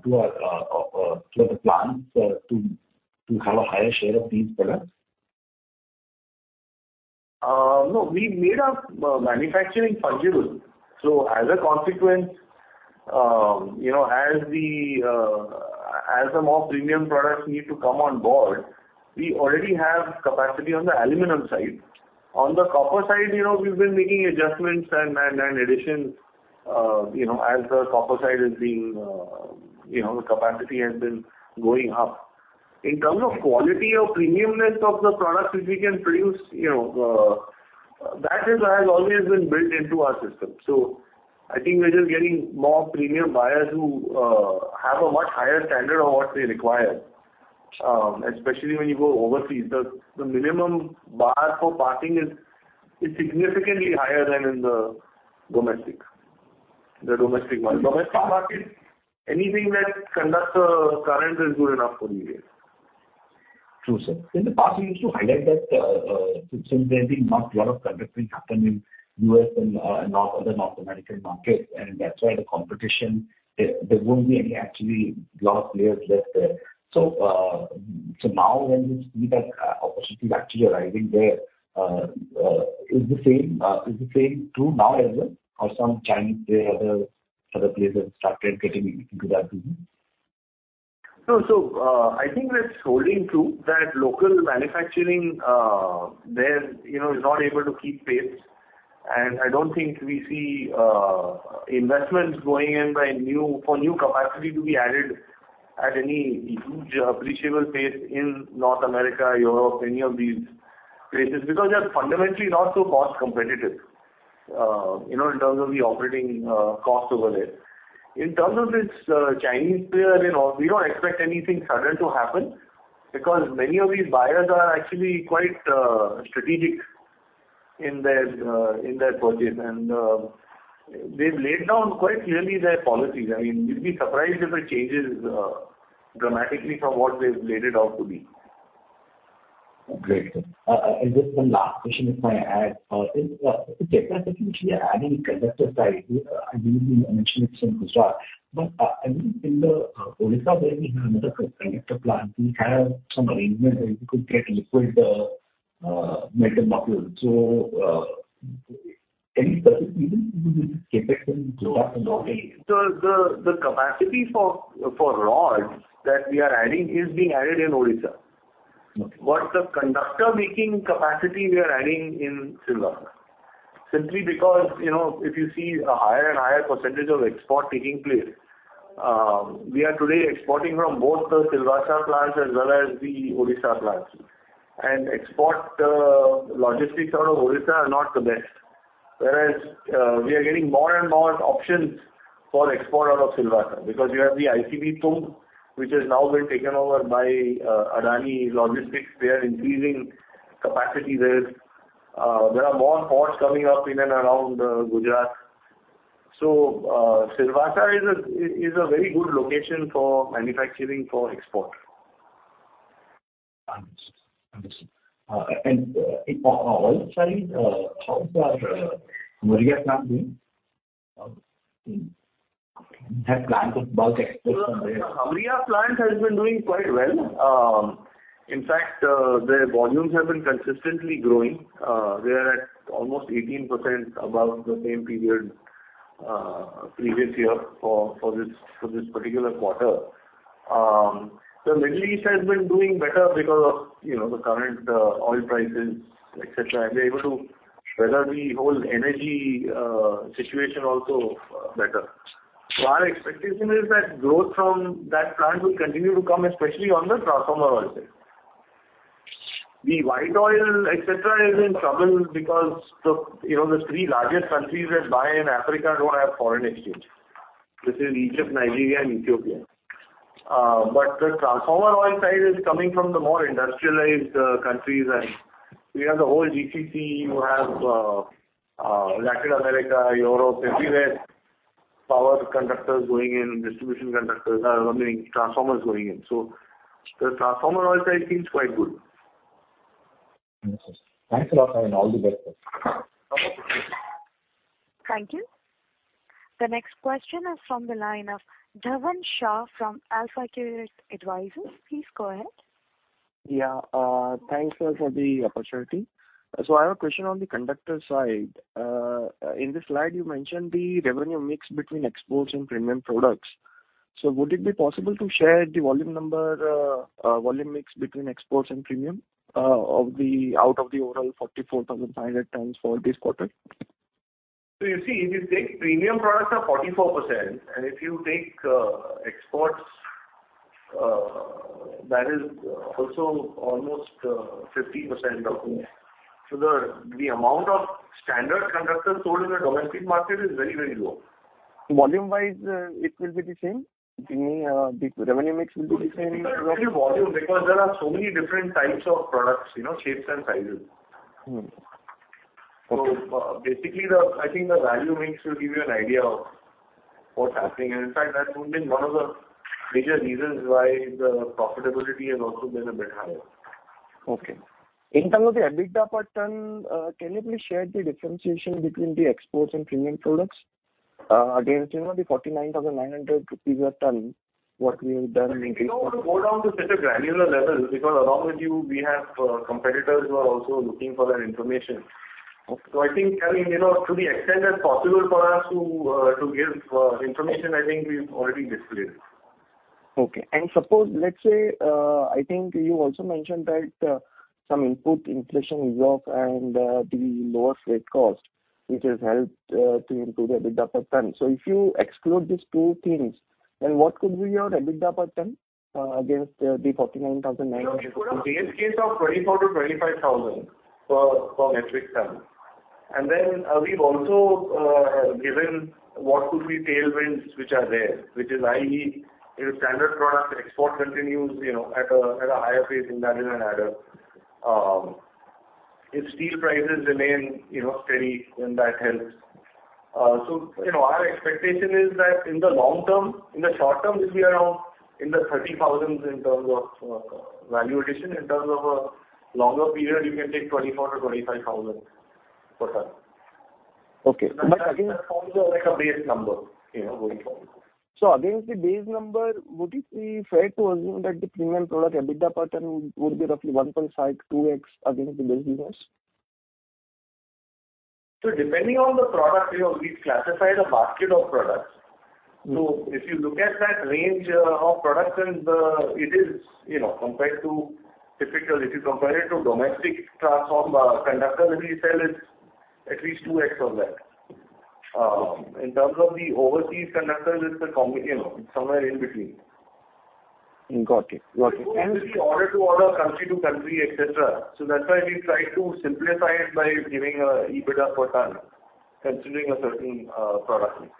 the plans to have a higher share of these products? No, we made our manufacturing flexible. As a consequence, you know, as the, as the more premium products need to come on board, we already have capacity on the aluminum side. On the copper side, you know, we've been making adjustments and additions, you know, as the copper side is being, you know, the capacity has been going up. In terms of quality or premiumness of the products which we can produce, you know, that is, has always been built into our system. I think we're just getting more premium buyers who have a much higher standard of what they require. Especially when you go overseas. The minimum bar for passing is significantly higher than in the domestic market. Domestic market, anything that conducts current is good enough for use. True, sir. In the past, you used to highlight that, since there's been not lot of conducting happening in U.S. And other North American markets, and that's why the competition, there won't be any actually lot of players left there. Now when we see that opportunity actually arriving there, is the same true now as well? Or some Chinese player, other players have started getting into that business? No. I think that's holding true, that local manufacturing, there, you know, is not able to keep pace. I don't think we see investments going in for new capacity to be added at any huge appreciable pace in North America, Europe, any of these places. Because they're fundamentally not so cost competitive, you know, in terms of the operating cost over there. In terms of this Chinese player, you know, we don't expect anything sudden to happen because many of these buyers are actually quite strategic. In their in their purchase. They've laid down quite clearly their policies. I mean, you'd be surprised if it changes dramatically from what they've laid it out to be. Great. Just one last question if I may add. In Khatalwada, I think we are adding conductor side. I believe you mentioned it's in Gujarat. I think in Odisha, where we have another conductor plant, we have some arrangement where you could get liquid metal buckles. Any specific reason you would be getting it from Gujarat and Odisha? The capacity for rods that we are adding is being added in Odisha. Okay. The conductor making capacity we are adding in Silvassa. Simply because, you know, if you see a higher and higher percentage of export taking place, we are today exporting from both the Silvassa plants as well as the Odisha plants. Export, logistics out of Odisha are not the best. Whereas, we are getting more and more options for export out of Silvassa because you have the ICD Tumb, which has now been taken over by Adani Logistics. They are increasing capacity there. There are more ports coming up in and around Gujarat. Silvassa is a, is a very good location for manufacturing for export. Understood. Understood. On oil side, how is our Murbad plant doing? That plant is bulk export from there. Murbad plant has been doing quite well. In fact, their volumes have been consistently growing. We are at almost 18% above the same period, previous year for this particular quarter. The Middle East has been doing better because of, you know, the current oil prices, et cetera, and they're able to weather the whole energy situation also better. Our expectation is that growth from that plant will continue to come, especially on the transformer oil side. The white oil, et cetera, is in trouble because the, you know, the three largest countries that buy in Africa don't have foreign exchange. This is Egypt, Nigeria and Ethiopia. The transformer oil side is coming from the more industrialized countries. We have the whole GCC, you have, Latin America, Europe, everywhere, power conductors going in, distribution conductors, I mean, transformers going in. The transformer oil side seems quite good. Understood. Thanks a lot, and all the best. Okay. Thank you. The next question is from the line of Dhavan Shah from AlfAccurate Advisors. Please go ahead. Yeah. Thanks for the opportunity. I have a question on the conductor side. In the slide you mentioned the revenue mix between exports and premium products. Would it be possible to share the volume number, volume mix between exports and premium, of the out of the overall 44,500 tons for this quarter? You see, if you take premium products are 44%, if you take exports, that is also almost 50% of them. The amount of standard conductors sold in the domestic market is very, very low. Volume wise, it will be the same? Any, the revenue mix will be the same in terms of? It's not really volume because there are so many different types of products, you know, shapes and sizes. Mm-hmm. Okay. Basically, I think the value mix will give you an idea of what's happening. In fact, that would have been one of the major reasons why the profitability has also been a bit higher. Okay. In terms of the EBITDA per ton, can you please share the differentiation between the exports and premium products? Against, you know, the 49,900 rupees a ton, what we have done in- We don't want to go down to such a granular level because along with you, we have competitors who are also looking for that information. Okay. I think, I mean, you know, to the extent that's possible for us to give information, I think we've already displayed it. Okay. Suppose, let's say, I think you also mentioned that some input inflation is off and the lower freight cost, which has helped to improve the EBITDA per ton. If you exclude these two things, then what could be your EBITDA per ton against the 49,900? No, we put a base case of 24,000-25,000 per metric ton. Then we've also given what could be tailwinds which are there, which is, i.e., if standard product export continues, you know, at a, at a higher pace, then that is an add-on. If steel prices remain, you know, steady, then that helps. You know, our expectation is that in the short term, it'll be around in the 30,000 in terms of value addition. In terms of a longer period, you can take 24,000-25,000 per ton. Okay. That forms like a base number, you know, going forward. Against the base number, would it be fair to assume that the premium product EBITDA per ton would be roughly 1.5-2x against the base business? Depending on the product, you know, we've classified a basket of products. Mm-hmm. If you look at that range of products and, it is, you know, compared to typical, if you compare it to domestic transform, conductor that we sell, it's at least 2x of that. In terms of the overseas conductors, it's a you know, it's somewhere in between. Got it. Got it. It's mostly order to order, country to country, et cetera. That's why we've tried to simplify it by giving EBITDA per ton considering a certain product mix.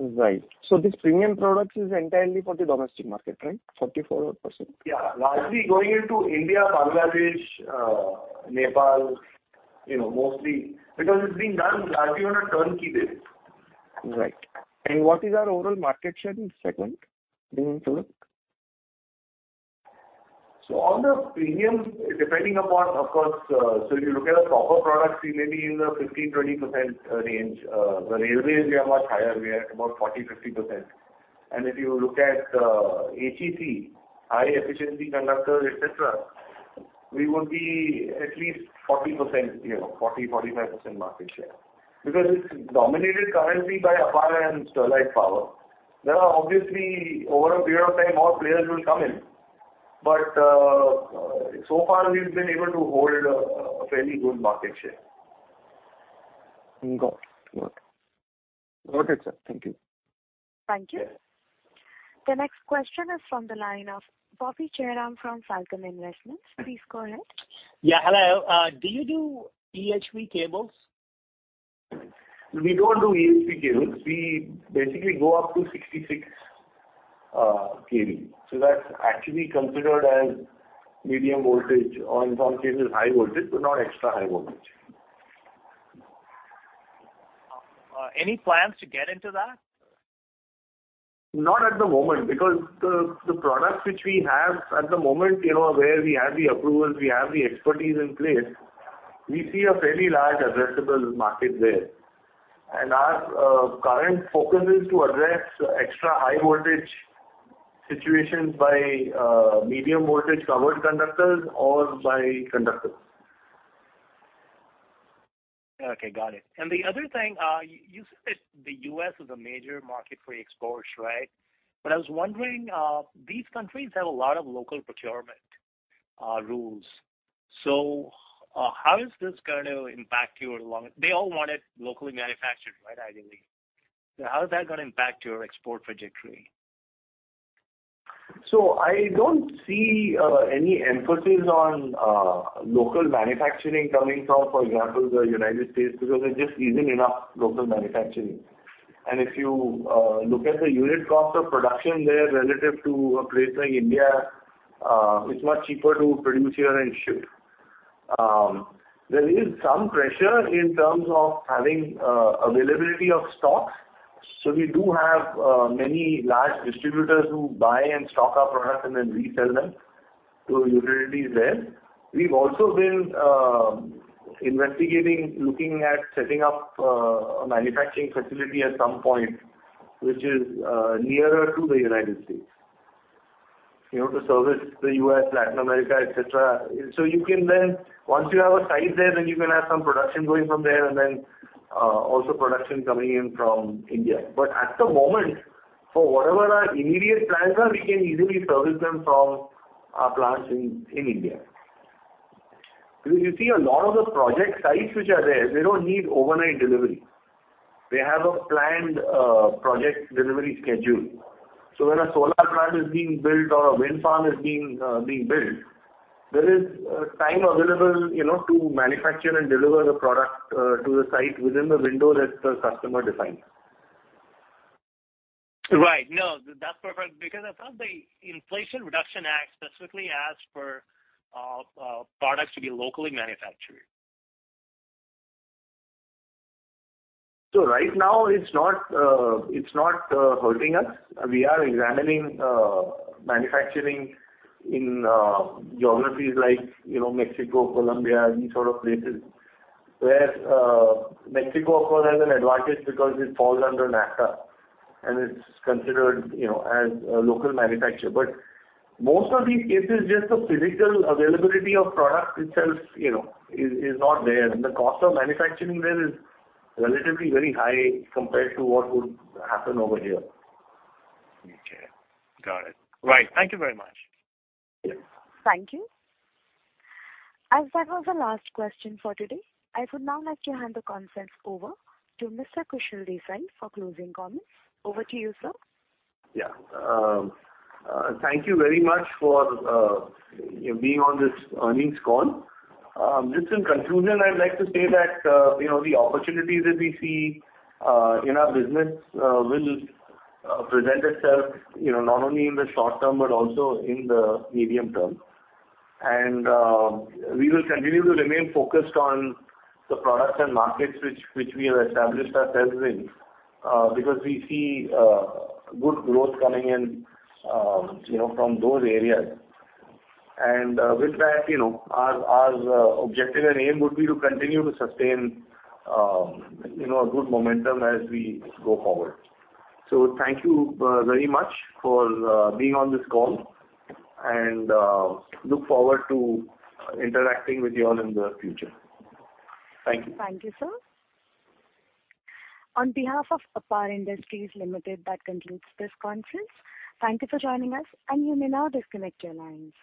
Right. This premium products is entirely for the domestic market, right? 44%. Yeah. Largely going into India, Bangladesh, Nepal, you know, mostly because it's being done largely on a turnkey basis. Right. What is our overall market share in this segment, do you think? On the premium, depending upon, of course, if you look at the copper products, we may be in the 15%-20% range. The railways, we are much higher. We are at about 40%-50%. If you look at ACC, high efficiency conductor, et cetera, we would be at least 40%, you know, 40%-45% market share. Because it's dominated currently by APAR and Sterlite Power. There are obviously, over a period of time, more players will come in. So far we've been able to hold a fairly good market share. Got it. Got it. Okay, sir. Thank you. Thank you. Yeah. The next question is from the line of Bobby Jayaraman from Falcon Investments. Please go ahead. Yeah. Hello. Do you do EHV cables? We don't do EHV cables. We basically go up to 66 KV. That's actually considered as medium voltage or in some cases high voltage, but not extra high voltage. Any plans to get into that? Not at the moment, because the products which we have at the moment, you know, where we have the approvals, we have the expertise in place, we see a fairly large addressable market there. Our current focus is to address extra high voltage situations by medium voltage covered conductors or by conductors. Okay, got it. The other thing, you said the U.S. is a major market for exports, right? I was wondering, these countries have a lot of local procurement rules. How is this gonna impact you? They all want it locally manufactured, right, ideally. How is that gonna impact your export trajectory? I don't see any emphasis on local manufacturing coming from, for example, the United States, because there just isn't enough local manufacturing. If you look at the unit cost of production there relative to a place like India, it's much cheaper to produce here and ship. There is some pressure in terms of having availability of stocks. We do have many large distributors who buy and stock our products and then resell them to utilities there. We've also been investigating, looking at setting up a manufacturing facility at some point, which is nearer to the United States, you know, to service the U.S., Latin America, et cetera. Once you have a size there, then you can have some production going from there, and then also production coming in from India. At the moment, for whatever our immediate plans are, we can easily service them from our plants in India. You see a lot of the project sites which are there, they don't need overnight delivery. They have a planned project delivery schedule. When a solar plant is being built or a wind farm is being built, there is time available, you know, to manufacture and deliver the product to the site within the window that the customer defines. Right. No, that's perfect because I thought the Inflation Reduction Act specifically asked for products to be locally manufactured. Right now it's not, it's not hurting us. We are examining manufacturing in geographies like, you know, Mexico, Colombia, these sort of places. Where Mexico, of course, has an advantage because it falls under NAFTA and it's considered, you know, as a local manufacturer. Most of these cases, just the physical availability of product itself, you know, is not there. The cost of manufacturing there is relatively very high compared to what would happen over here. Okay. Got it. Right. Thank you very much. Yeah. Thank you. As that was the last question for today, I would now like to hand the conference over to Mr. Kushal Desai for closing comments. Over to you, sir. Yeah. Thank you very much for being on this earnings call. Just in conclusion, I'd like to say that, you know, the opportunities that we see in our business will present itself, you know, not only in the short term, but also in the medium term. We will continue to remain focused on the products and markets which we have established ourselves in, because we see good growth coming in, you know, from those areas. With that, you know, our objective and aim would be to continue to sustain, you know, a good momentum as we go forward. Thank you very much for being on this call and look forward to interacting with you all in the future. Thank you. Thank you, sir. On behalf of APAR Industries Limited, that concludes this conference. Thank you for joining us. You may now disconnect your lines.